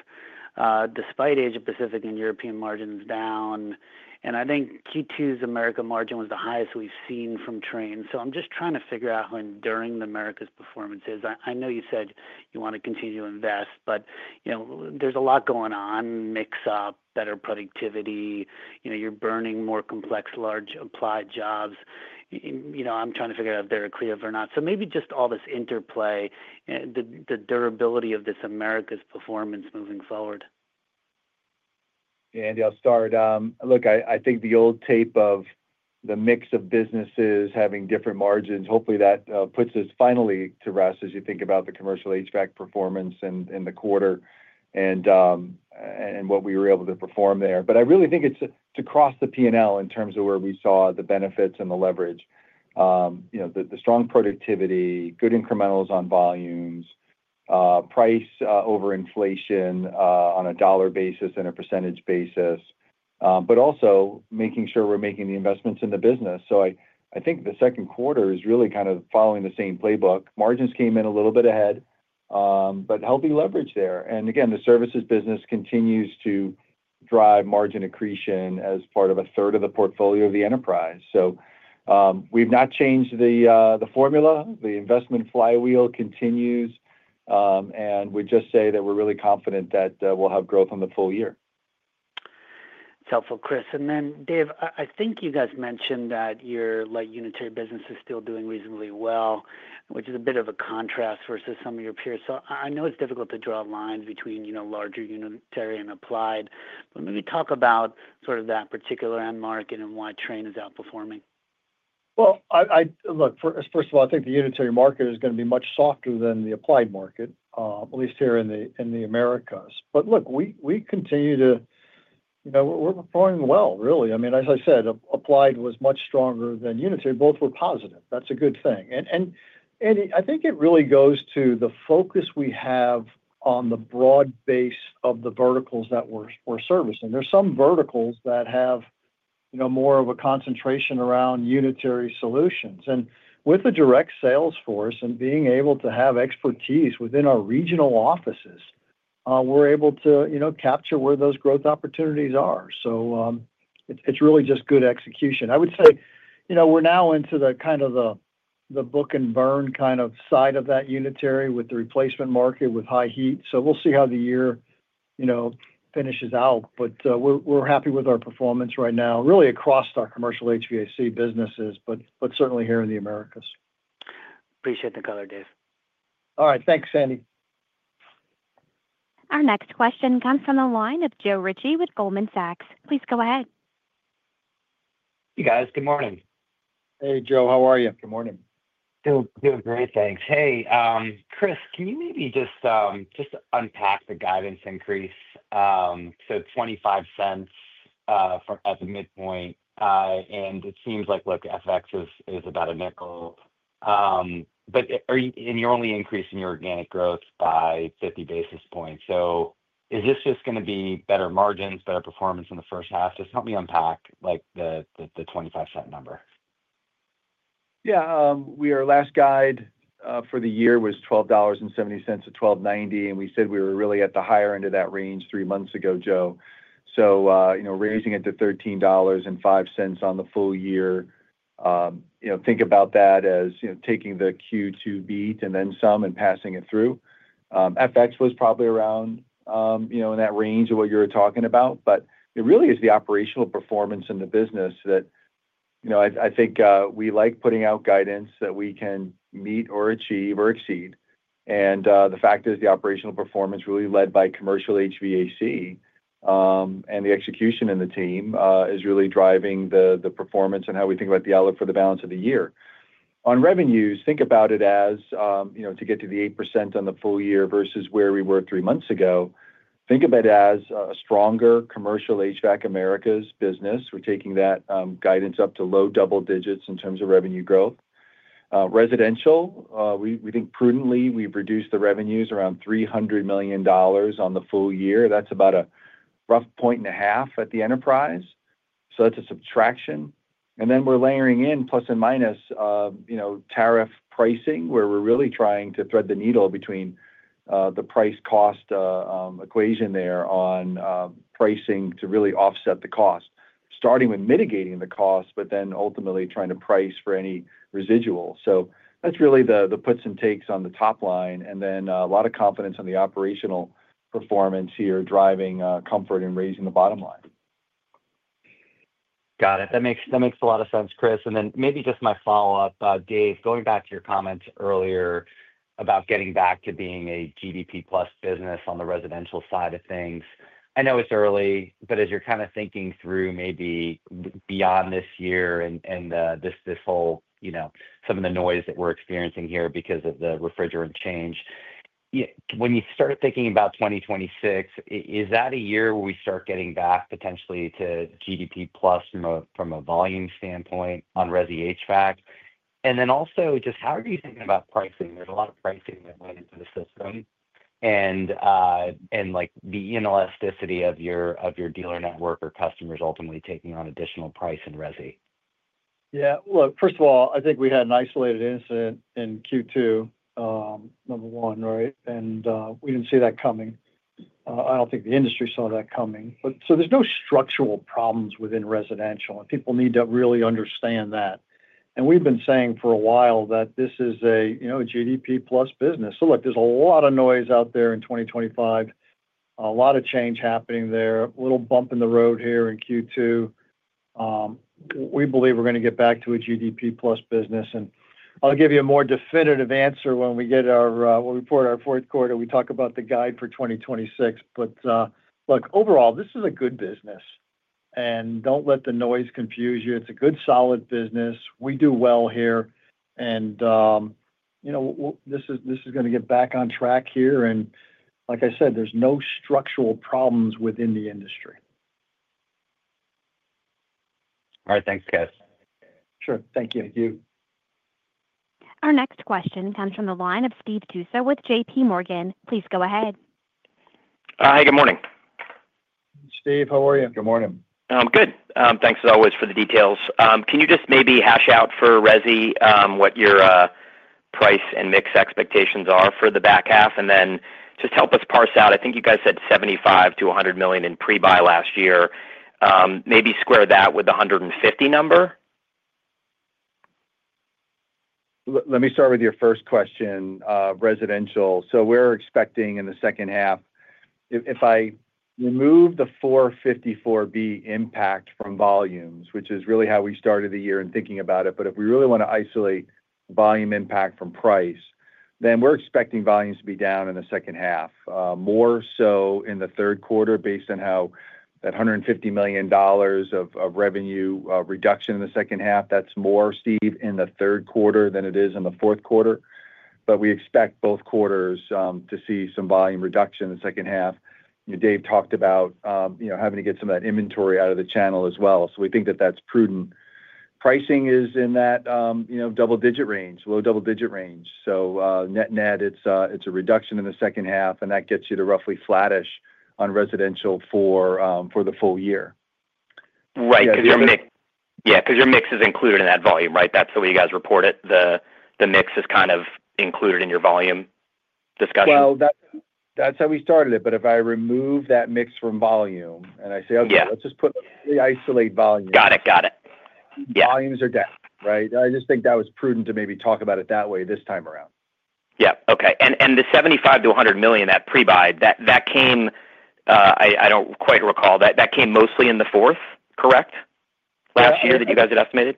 despite Asia Pacific and European margin down. And I think Q2's Americas margin was the highest we've seen from Trane. So I'm just trying to figure out when during Americas performances. I know you said you want to continue to invest, but you know, there's a lot going on. Mix up better productivity, you know, you're burning more complex, large applied jobs, you know, I'm trying to figure out if they're a clear or not. So maybe just all this interplay, the durability of this Americas performance moving forward. Andy, I'll start. Look, I think the old tape of the mix of businesses having different margins, hopefully that puts us finally to rest as you think about the Commercial HVAC performance in the quarter and what we were able to perform there. I really think it's across the P&L in terms of where we saw the benefits and the leverage, the strong productivity, good incrementals on volumes, price over inflation on a dollar basis and a percentage basis, but also making sure we're making the investments in the business. I think the second quarter is really kind of following the same playbook. Margins came in a little bit ahead, but healthy leverage there. The Services business continues to drive margin accretion as part of a third of the portfolio of the enterprise. We've not changed the formula. The investment flywheel continues and we just say that we're really confident that we'll have growth on the full year. That's helpful, Chris. Then Dave, I think you guys mentioned that your light unitary business is still doing reasonably well, which is a bit of a contrast versus some of your peers. I know it's difficult to draw lines between, you know, larger unitary and applied, but maybe talk about sort of that particular end market and why Trane is outperforming. First of all, I think the unitary market is going to be much softer than the applied market, at least here in the Americas. We continue to, you know, we're performing well, really. I mean, as I said, applied was much stronger than unitary. Both were positive. That's a good thing. I think it really goes to the focus we have on the broad base of the verticals that we're servicing. There are some verticals that have, you know, more of a concentration around unitary solutions. With a direct sales force and being able to have expertise within our regional offices, we're able to capture where those growth opportunities are. It's really just good execution, I would say. We're now into the kind of the book and burn kind of side of that unitary with the replacement market with high heat. We'll see how the year finishes out. We're happy with our performance right now, really across our commercial HVAC businesses, but certainly here in the Americas. Appreciate the color, Dave. All right, thanks, Andy. Our next question comes from the line of Joe Ritchie with Goldman Sachs. Please go ahead. Hey, guys, good morning. Hey, Joe, how are you? Good morning. Doing great, thanks. Hey, Chris, can you maybe just unpack the guidance increase to $0.25 at the midpoint? It seems like, look, FX is about a nickel, but you're only. Increasing your organic growth by 50 basis points. Is this just going to be better margins, better performance in the first half? Just help me unpack, like the 25 cent number. Yeah, we are. Last guide for the year was $12.70 at $12.90. And we said we were really at the higher end of that range three months ago, Joe. You know, raising it to $13.05 on the full year. You know, think about that as, you know, taking the Q2 beat and then some and passing it through. FX was probably around, you know, in that range of what you were talking about, but it really is the operational performance in the business that, you know, I think we like putting out guidance that we can meet or achieve or exceed. The fact is the operational performance really led by Commercial HVAC and the execution in the team is really driving the performance. How we think about the outlook for the balance of the year on revenues, think about it as to get to the 8% on the full year versus where we were three months ago. Think of it as a stronger Commercial HVAC Americas business. We're taking that guidance up to low double digits in terms of revenue growth. Residential, we think prudently, we've reduced the revenues around $300 million on the full year. That's about, about a rough point and a half at the enterprise. That's a subtraction. Then we're layering in plus and minus tariff pricing where we're really trying to thread the needle between the price cost equation there on pricing to really offset the cost, starting with mitigating the cost, but then ultimately trying to price for any residual. That's really the puts and takes on the top line and then a lot of confidence on the operational performance here, driving comfort and raising the bottom line. Got it. That makes a lot of sense, Chris. Maybe just my follow up, Dave, going back to your comments earlier about getting back to being a GDP plus business on the residential side of things. I know it's early, but as you're kind of thinking through maybe beyond this year and this whole, you know, some of the noise that we're experiencing here. Because of the refrigerant change. Yeah. When you start thinking about 2026, is that a year where we start getting back potentially to GDP plus from a volume standpoint on Residential HVAC? How are you thinking about pricing? There is a lot of pricing that went into the system and, like, the inelasticity of your dealer network or customers ultimately taking on additional price in resi. Yeah, look, first of all, I think we had an isolated incident in Q2, number one. Right. We did not see that coming. I do not think the industry saw that coming. There are no structural problems within residential, and people need to really understand that. We have been saying for a while that this is a GDP plus business. There is a lot of noise out there in 2025, a lot of change happening there. Little bump in the road here in Q2. We believe we are going to get back to a GDP plus business. I will give you a more definitive answer when we report our fourth quarter. We will talk about the guide for 2026. Overall, this is a good business, and do not let the noise confuse you. It is a good, solid business. We do well here. This is going to get back on track here. Like I said, there are no structural problems within the industry. All right, thanks guys. Sure. Thank you. Our next question comes from the line of Steve Tusa with JPMorgan. Please go ahead. Hi, good morning. Steve. How are you? Good morning. Good. Thanks as always for the details. Can you just maybe hash out for resi what your price and mix expectations are for the back half, and then just help us parse out, I think you guys said $75 million-$100 million in pre buy last year. Maybe square that with the $150 million number. Let me start with your first question. Residential. We're expecting in the second half, if I remove the 454B impact from volumes, which is really how we started the year and thinking about it. If we really want to isolate volume impact from price, then we're expecting volumes to be down in the second half, more so in the third quarter based on how that $150 million of revenue reduction in the second half. That's more, Steve, in the third quarter than it is in the fourth quarter. We expect both quarters to see some volume reduction in the second half. Dave talked about having to get some of that inventory out of the channel as well. We think that that's prudent. Pricing is in that double-digit range, low double-digit range. Net, net it's a reduction in the second half. That gets you to roughly flattish on residential for the full year. Right, because your mix. Yeah, because your mix is included in that volume. Right. That's the way you guys report it. The mix is kind of included in your volume discussion. That's how we started it. If I remove that mix from volume and I say okay, let's just. Put the isolate volume. Volumes are down. Right. I just think that was prudent to. Maybe talk about it that way this time around. Yeah. Okay. And the $75 million-$100 million, that pre-buy, that came, I do not quite recall that. That came mostly in the fourth, correct, last year that you guys had estimated.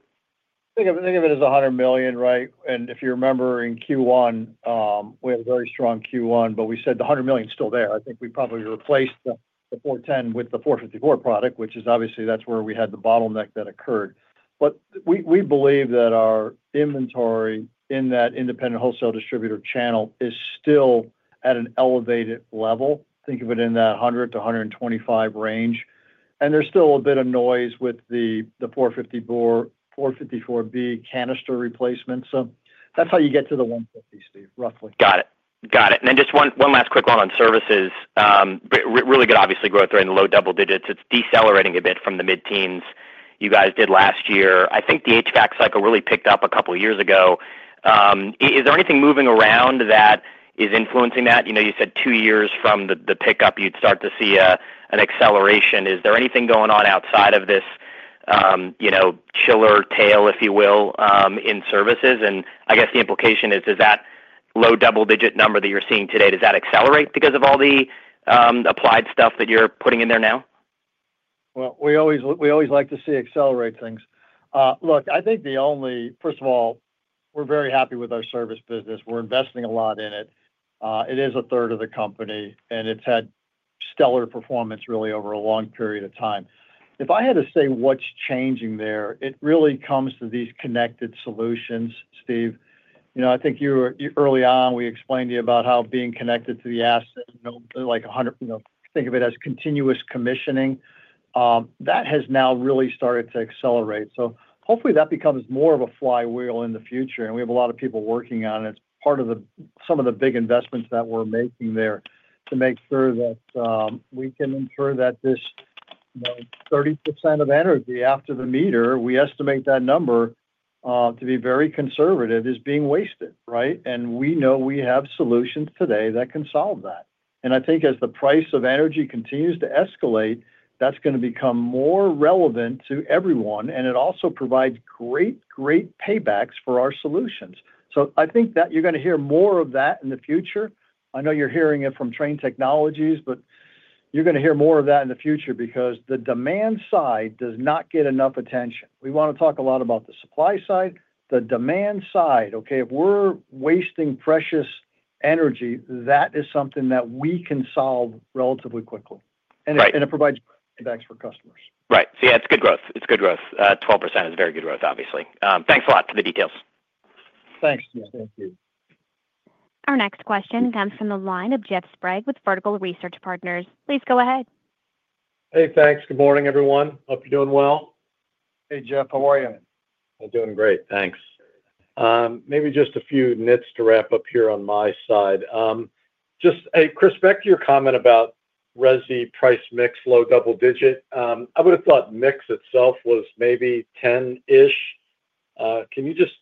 Think of it as $100 million, right. And if you remember, in Q1 we had a very strong Q1, but we said the $100 million is still there. I think we probably replaced the 410 with the 454 product, which is obviously, that is where we had the bottleneck that occurred. But we believe that our inventory in that independent wholesale distributor channel is still at an elevated level. Think of it in that $100 million-$125 million range and there is still a bit of noise with the 454B canister replacement. That is how you get to the $150 million, Steve, roughly. Got it, got it. And then just one last quick one on services. Really good, obviously growth rate in the low double digits. It is decelerating a bit from the mid teens you guys did last year. I think the HVAC cycle really picked up a couple years ago. Is there anything moving around that is influencing that? You know, you said two years from the pickup you would start to see an acceleration. Is there anything going on outside of this, you know, chiller tail, if you will, in services? And I guess the implication is, does that low double digit number that you are seeing today, does that accelerate because of all the applied stuff that you are putting in there now? We always like to see accelerate things. Look, I think the only, first of all, we are very happy with our service business. We are investing a lot in, it is a third of the company and it has had stellar performance really over a long period of time. If I had to say what is changing there, it really comes to these connected solutions. Steve, you know, I think you were early on, we explained to you about how being connected to the asset, like 100, you know, think of it as continuous commissioning, that has now really started to accelerate. Hopefully that becomes more of a flywheel in the future and we have a lot of people working on it. Part of the, some of the big investments that we are making there to make sure that we can ensure that this 30% of energy after the meter, we estimate that number to be very conservative, is being wasted, right. And we know we have solutions today that can solve that. I think as the price of energy continues to escalate, that is going to become more relevant to everyone. It also provides great, great paybacks for our solutions. I think that you're going to hear more of that in the future. I know you're hearing it from Trane Technologies, but you're going to hear more of that in the future because the demand side does not get enough attention. We want to talk a lot about the supply side. The demand side, okay. If we're wasting precious energy, that is something that we can solve relatively quickly and it provides paybacks for customers. Right. Yeah, it's good growth. It's good growth. 12% is very good growth, obviously. Thanks a lot for the details. Our next question comes from the line of Jeff Sprague with Vertical Research Partners. Please go ahead. Hey, thanks. Good morning. Everyone, hope you're doing well. Hey, Jeff, how are you? I'm doing great, thanks. Maybe just a few nits to wrap up here on my side. Just. Hey, Chris, back to your comment about resi price mix low double digit. I would have thought mix itself was maybe 10ish. Can you just,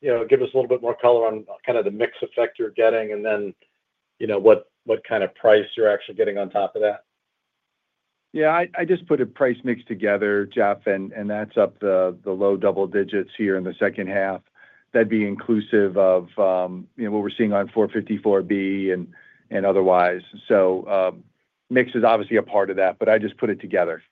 you know, give us a little bit more color on kind of the mix effect you're getting and then you know, what, what kind of. Price you're actually getting on top of that? Yeah, I just put a price mix together, Jeff, and that's up the low double digits here in the second half. That'd be inclusive of what we're seeing on R-454B and otherwise. So mix is obviously a part of that, but I just put it together.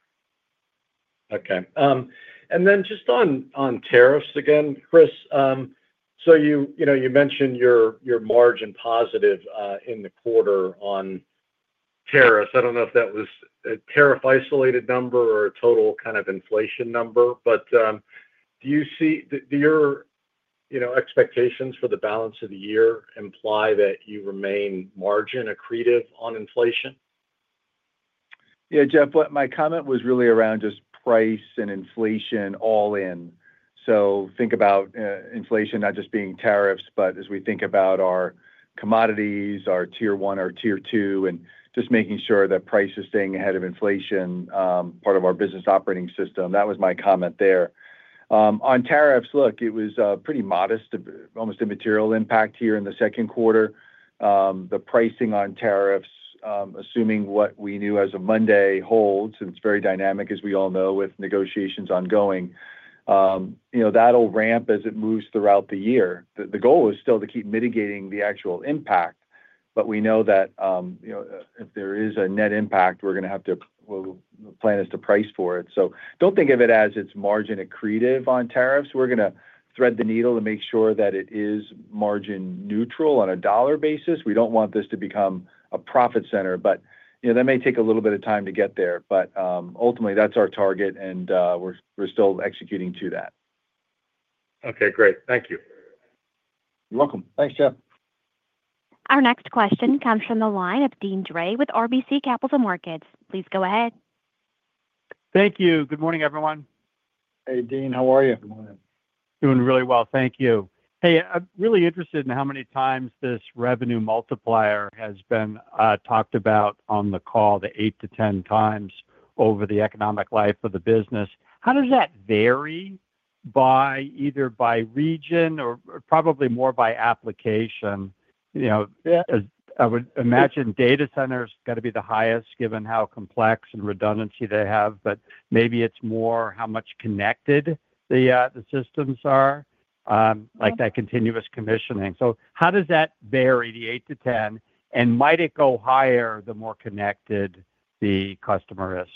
Okay. And then just on tariffs again, Chris, you mentioned your margin positive in the quarter on tariffs. I do not know if that was a tariff isolated number or a total kind of inflation number, but do your expectations for the balance of the year imply that you remain margin accretive on inflation? Yeah, Jeff, my comment was really around just price and inflation all in. So think about inflation not just being tariffs, but as we think about our commodities, our Tier 1 or Tier 2 and just making sure that price is staying ahead of inflation, part of our business operating system. That was my comment there on tariffs. Look, it was pretty modest, almost immaterial impact here in the second quarter. The pricing on tariffs, assuming what we knew as of Monday holds and it's very dynamic as we all know, with negotiations ongoing, you know, that'll ramp as it moves throughout the year. The goal is still to keep mitigating the actual impact, but we know that if there is a net impact, we're going to have to plan is to price for it. So do not think of it as it's margin accretive on tariffs. We're going to thread the needle to make sure that it is margin neutral on a dollar basis. We do not want this to become a profit center, but that may take a little bit of time to get there, but ultimately that's our target and we're, we're still executing to that. Okay, great. Thank you. You're welcome. Thanks, Jeff. Our next question comes from the line of Deane Dray with RBC Capital Markets. Please go ahead. Thank you. Good morning, everyone. Hey, Deane, how are you Doing really well, thank you. Hey, I'm really interested in how many times this revenue multiplier has been talked about on the call. The eight to ten times over the economic life of the business. How does that vary by either by region or probably more by application. You know, I would imagine data centers got to be the highest given how complex and redundancy they have. But maybe it's more how much connected the systems are. Like that continuous commissioning. How does that vary the 8 to 10 and might it go higher the more connected the customer is?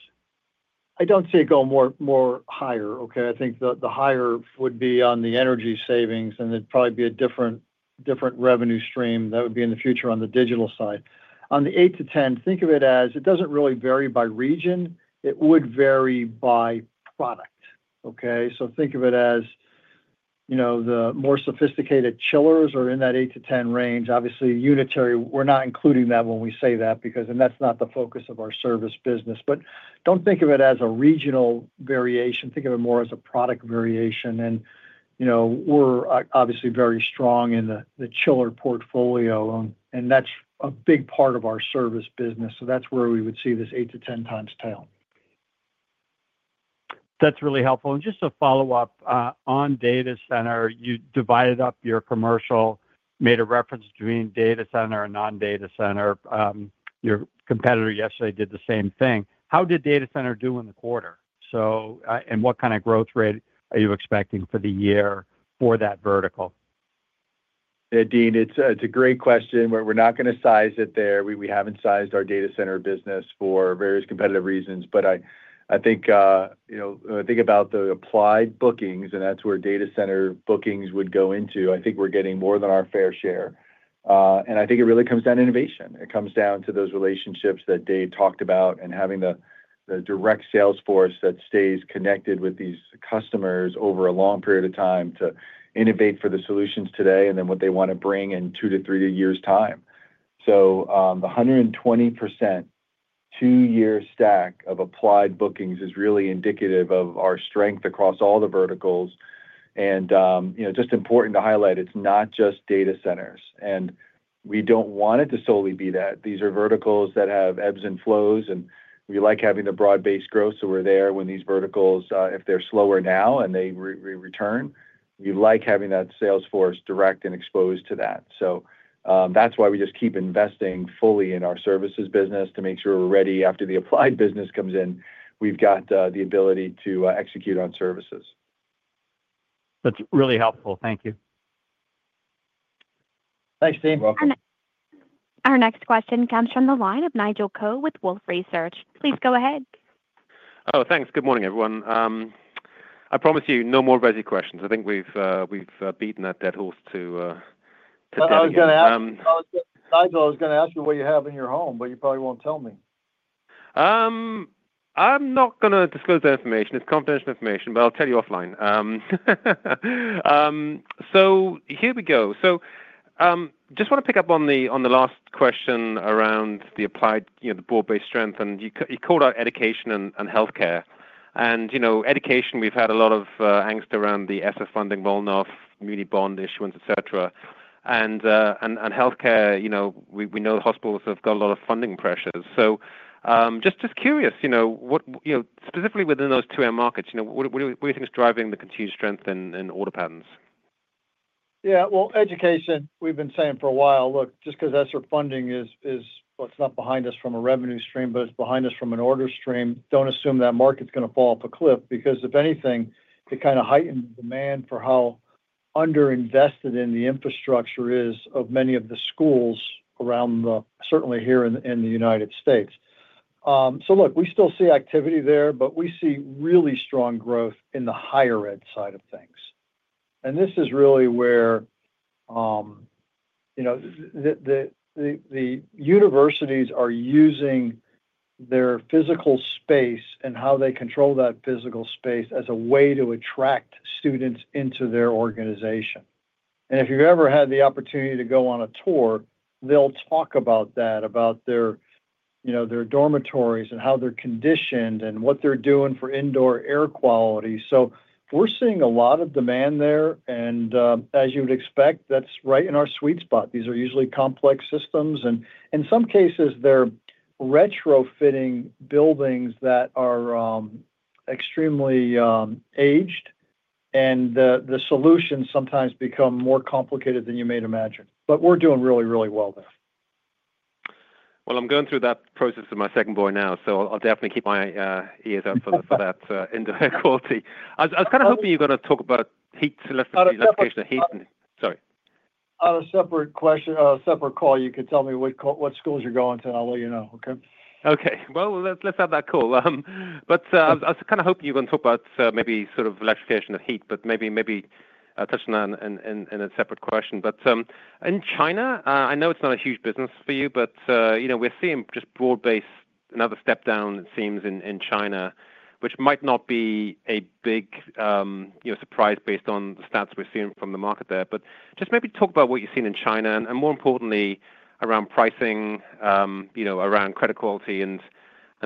I do not see it go more higher. Okay. I think the higher would be on the energy savings and it would probably be a different revenue stream that would be in the future on the digital side on the 8-10. Think of it as, it does not really vary by region, it would vary by product. Okay. Think of it as, you know, the more sophisticated chillers are in that 8-10 range. Obviously unitary, we are not including that when we say that because not the focus of our service business. Do not think of it as a regional variation, think of it more as a product variation. You know, we are obviously very strong in the chiller portfolio and that is a big part of our service business. That is where we would see this 8-10 times tail. That is really helpful. Just a follow up on Data Center. You divided up your commercial, made a reference between data center and non data center. Your competitor yesterday did the same thing. How did data center do in the quarter? What kind of growth rate are you expecting for the year for that vertical? Dean, it is a great question. We're not going to size it there. We haven't sized our data center business for various competitive reasons. I think, you know, think about the applied bookings and that's where data center bookings would go into. I think we're getting more than our fair share and I think it really comes down to innovation. It comes down to those relationships that Dave talked about and having the direct sales force that stays connected with these customers over a long period of time to innovate for the solutions today and then what they want to bring in two to three years time. The 120% two-year stack of applied bookings is really indicative of our strength across all the verticals and just important to highlight. It's not just data centers and we don't want it to solely be that. These are verticals that have ebbs and flows and we like having the broad based growth. We're there. When these verticals, if they're slower now and they return, we like having that salesforce direct and exposed to that. That's why we just keep investing fully in our services business to make sure we're ready after the applied business comes in. We've got the ability to execute on services. That's really helpful. Thank you. Thanks Deane. Welcome. Our next question comes from the line of Nigel Coe with Wolfe Research. Please go ahead. Oh, thanks. Good morning everyone. I promise you no more resi questions. I think we've beaten that dead horse. To Nigel. I was going to ask you what you have in your home, but you probably won't tell me. I'm not going to disclose that information. It's confidential information. I'll tell you offline. Here we go. Just want to pick up on the last question around the applied broad-based strength and you called out education and healthcare and education. We've had a lot of angst around. The ESSER funding, voter muni bond issuance. Et cetera and healthcare. We know hospitals have got a lot of funding pressures. Just curious specifically within those two markets, what do you think is driving the continued strength in order patterns? Yeah, education, we've been saying for a while, look, just because ESSER funding, it's not behind us from a revenue stream, but it's behind us from an order stream, don't assume that market's going to fall off a cliff because if anything, it kind of heightened demand for how underinvested in the infrastructure is of many of the schools around the, certainly here in the United States. Look, we still see activity there, but we see really strong growth in the higher ed side of things. This is really where, you know, the universities are using their physical space and how they control that physical space as a way to attract students into their organization. If you've ever had the opportunity to go on a tour, they'll talk about that, about their, you know, their dormitories and how they're conditioned and what they're doing for indoor air quality. We're seeing a lot of demand there. As you would expect, that's right in our sweet spot. These are usually complex systems and in some cases they're retrofitting buildings that are extremely aged and the solutions sometimes become more complicated than you may imagine. We're doing really, really well there. I'm going through that process with my second boy now, so I'll definitely keep my ears up for that indoor air quality. I was kind of hoping you were going to talk about heat. Sorry. On a separate question, separate call, you could tell me what schools you're going to and I'll let you know. Okay. Okay. Let's have that call. I was kind of hoping you can talk about maybe sort of electrification of heat, but maybe touching that in a separate question. In China, I know it's not a huge business for you, but we're seeing just broad based another step down it seems in China, which might not be a big surprise based on the stats we're seeing from the market there. Just maybe talk about what you've seen in China and more importantly around pricing, around credit quality and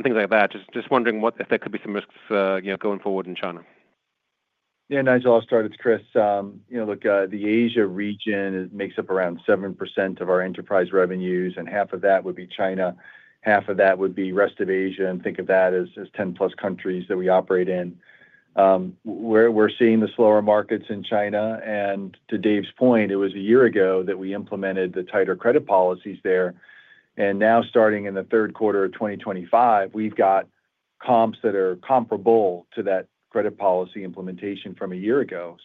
things like that. Just wondering if there could be some risks going forward in China. Yeah, Nigel, I'll start. It's Chris. Look, the Asia region makes up around 7% of our enterprise revenues and half of that would be China, half of that would be rest of Asia. And think of that as 10+ countries that we operate in. We're seeing the slower markets in China. To Dave's point, it was a year ago that we implemented the tighter credit policies there. Now starting in the third quarter of 2025, we've got comps that are comparable to that credit policy implementation from a year ago.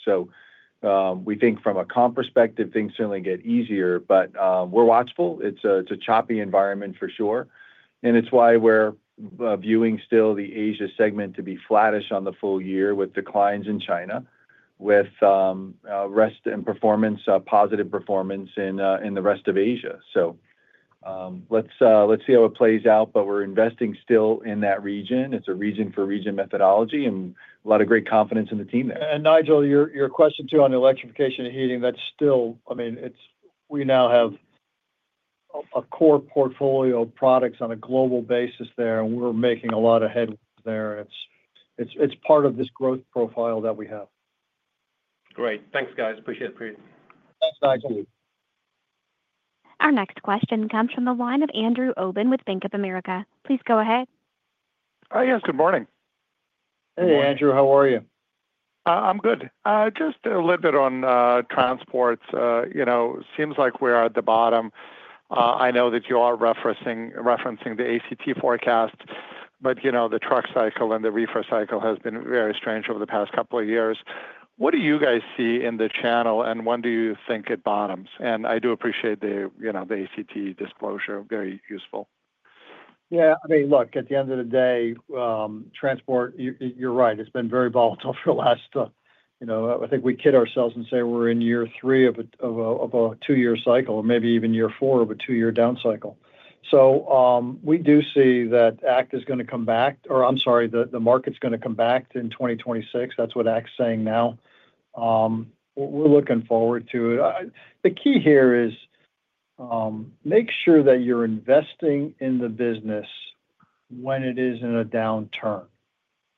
We think from a comp perspective things certainly get easier. We're watchful. It's a choppy environment for sure. It's why we're viewing still the Asia segment to be flattish on the full year with declines in China with positive performance in the rest of Asia. Let's see how it plays out. We're investing still in that region. It's a region for region methodology and a lot of great confidence in the team there. Nigel, your question too on electrification and heating, that's still, I mean we now have a core portfolio of products on a global basis there and we're making a lot of head there. It's part of this growth profile that we have. Great. Thanks guys. Appreciate it. Our next question comes from the line of Andrew Obin with Bank of America. Please go ahead. Yes, good morning. Hey Andrew, how are you? I'm good. Just a little bit on transports. You know, seems like we are at the bottom. I know that you are referencing the ACT forecast, but you know, the truck cycle and the reefer cycle has been very strange over the past couple of years. What do you guys see in the channel and when do you think it bottoms? And I do appreciate the, you know, the ACT disclosure. Very useful. Yeah, I mean look at the end of the day, transport, you're right. It's been very volatile for the last, you know, I think we kid ourselves and say we're in year three of a two year cycle or maybe even year four of a two year down cycle. We do see that ACT is going to come back to, or I'm sorry, the market's going to come back in 2026. That's what ACT's saying now. We're looking forward to it. The key here is make sure that you're investing in the business when it is in a downturn.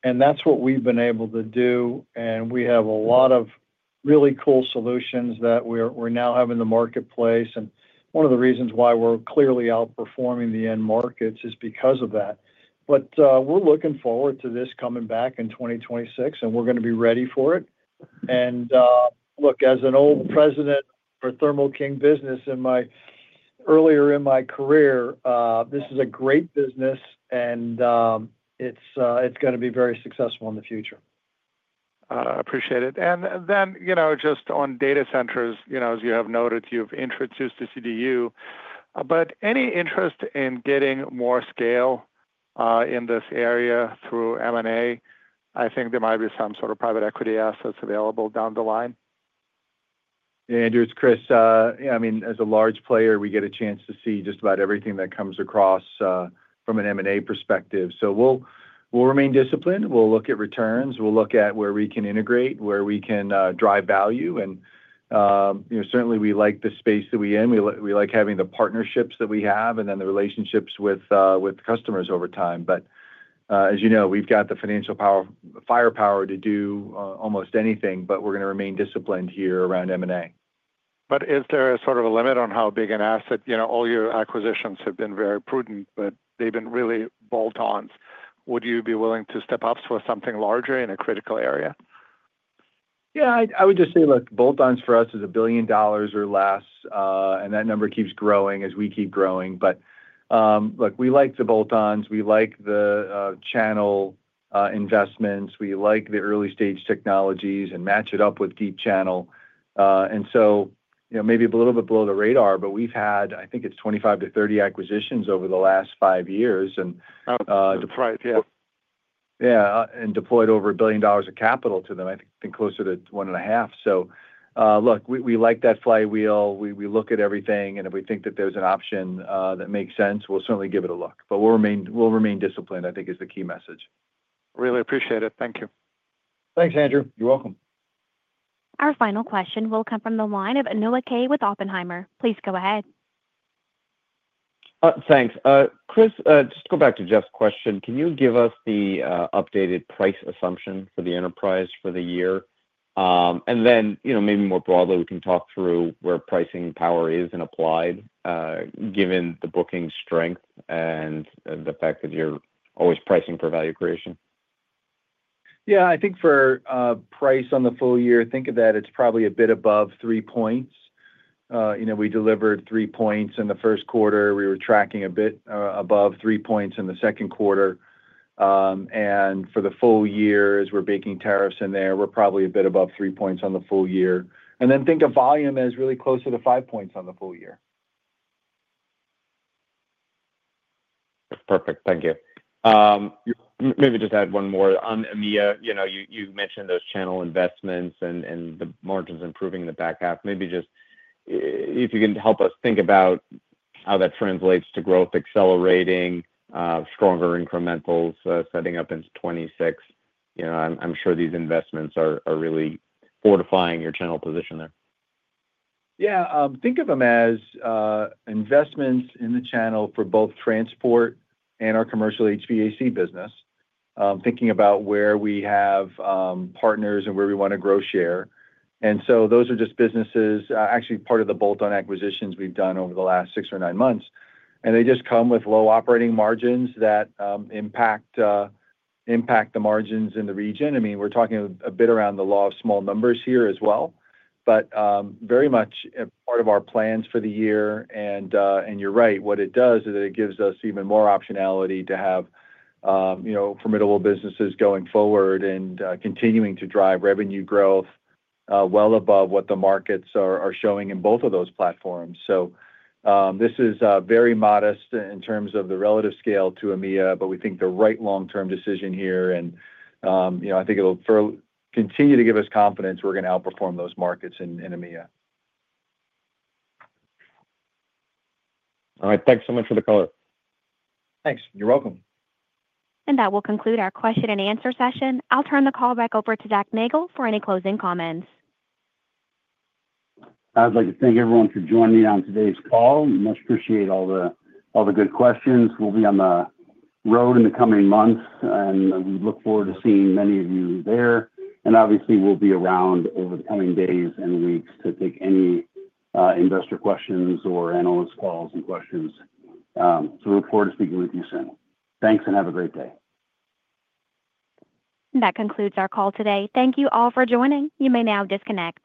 That's what we've been able to do. We have a lot of really cool solutions that we're now having in the marketplace. One of the reasons why we're clearly outperforming the end markets is because of that. We're looking forward to this coming back in 2026 and we're going to be ready for it. Look, as an old president for Thermo King business earlier in my career, this is a great business and it's going to be very successful in the future. Appreciate it. And then just on data centers, as you have noted, you've introduced the CDU. Any interest in getting more scale in this area through M&A. I think there might be some sort of private equity assets available down the line. Andrew, it's Chris. I mean as a large player we get a chance to see just about everything that comes across from an M&A perspective. We will remain disciplined. We will look at returns, we will look at where we can integrate, where we can drive value. We certainly like the space that we are in. We like having the partnerships that we have and the relationships with customers over time. As you know, we have the financial power, firepower to do almost anything. We are going to remain disciplined here around M&A. Is there a sort of a limit on how big an asset? You know, all your acquisitions have been very prudent, but they've been really bolt on. Would you be willing to step up? For something larger in a critical area? Yeah, I would just say look, bolt ons for us is a billion dollars or less and that number keeps growing as we keep growing. Look, we like the bolt ons, we like the channel investments, we like the early stage technologies and match it up with deep channel and so maybe a little bit below the radar, but we've had, I think it's 25-30 acquisitions over the last five years. Yeah. And deployed over a billion dollars of capital to them, I think closer to. One and a half. Look, we like that Flywheel, we look at everything and if we think that there's an option that makes sense, we'll certainly give it a look. We'll remain disciplined, I think is the key message. Really appreciate it. Thank you. Thanks, Andrew. You're welcome. Our final question will come from the line of Noah Kaye with Oppenheimer. Please go ahead. Thanks, Chris. Just to go back to Jeff's question, can you give us the updated price assumption for the enterprise for the year and then, you know, maybe more broadly. We can talk through where pricing power is in applied given the booking strength and the fact that you're always pricing for value creation. Yeah, I think for price on the full year, think of that. It's probably a bit above 3 points. You know, we delivered 3 points in the first quarter. We were tracking a bit above 3 points in the second quarter. For the full year, as we're baking tariffs in there, we're probably a bit above 3 points on the full year. Then think of volume as really closer to 5 points on the full year. Perfect. Thank you. Maybe just add one more on EMEA. You know, you mentioned those channel investments and the margins improving in the back half. Maybe just if you can help us think about how that translates to growth accelerating, stronger incrementals setting up into 2026. I'm sure these investments are really fortifying your channel position there. Yeah. Think of them as investments in the channel for both transport and our Commercial HVAC business. Thinking about where we have partners and where we want to grow share. Those are just businesses actually, part of the bolt-on acquisitions we have done over the last six or nine months. They just come with low operating margins that impact the margins in the region. I mean, we are talking a bit around the law of small numbers here as well, but very much part of our plans for the year, and you are right, what it does is that it gives us even more optionality to have formidable businesses going forward and continuing to drive revenue growth well above what the markets are showing in both of those platforms. This is very modest in terms of the relative scale to EMEA. We think the right long-term decision here and, you know, I think it will continue to give us confidence we are going to outperform those markets in EMEA. All right, thanks so much for the color. Thanks. You're welcome. That will conclude our question and answer session. I'll turn the call back over to Zac Nagle for any closing comments. I'd like to thank everyone for joining me on today's call. Much appreciate all the good questions. We'll be on the road in the coming months and we look forward to seeing many of you there. Obviously, we'll be around over the coming days and weeks to take any investor questions or analyst calls and questions. We look forward to speaking with you soon. Thanks and have a great day. That concludes our call today. Thank you all for joining. You may now disconnect.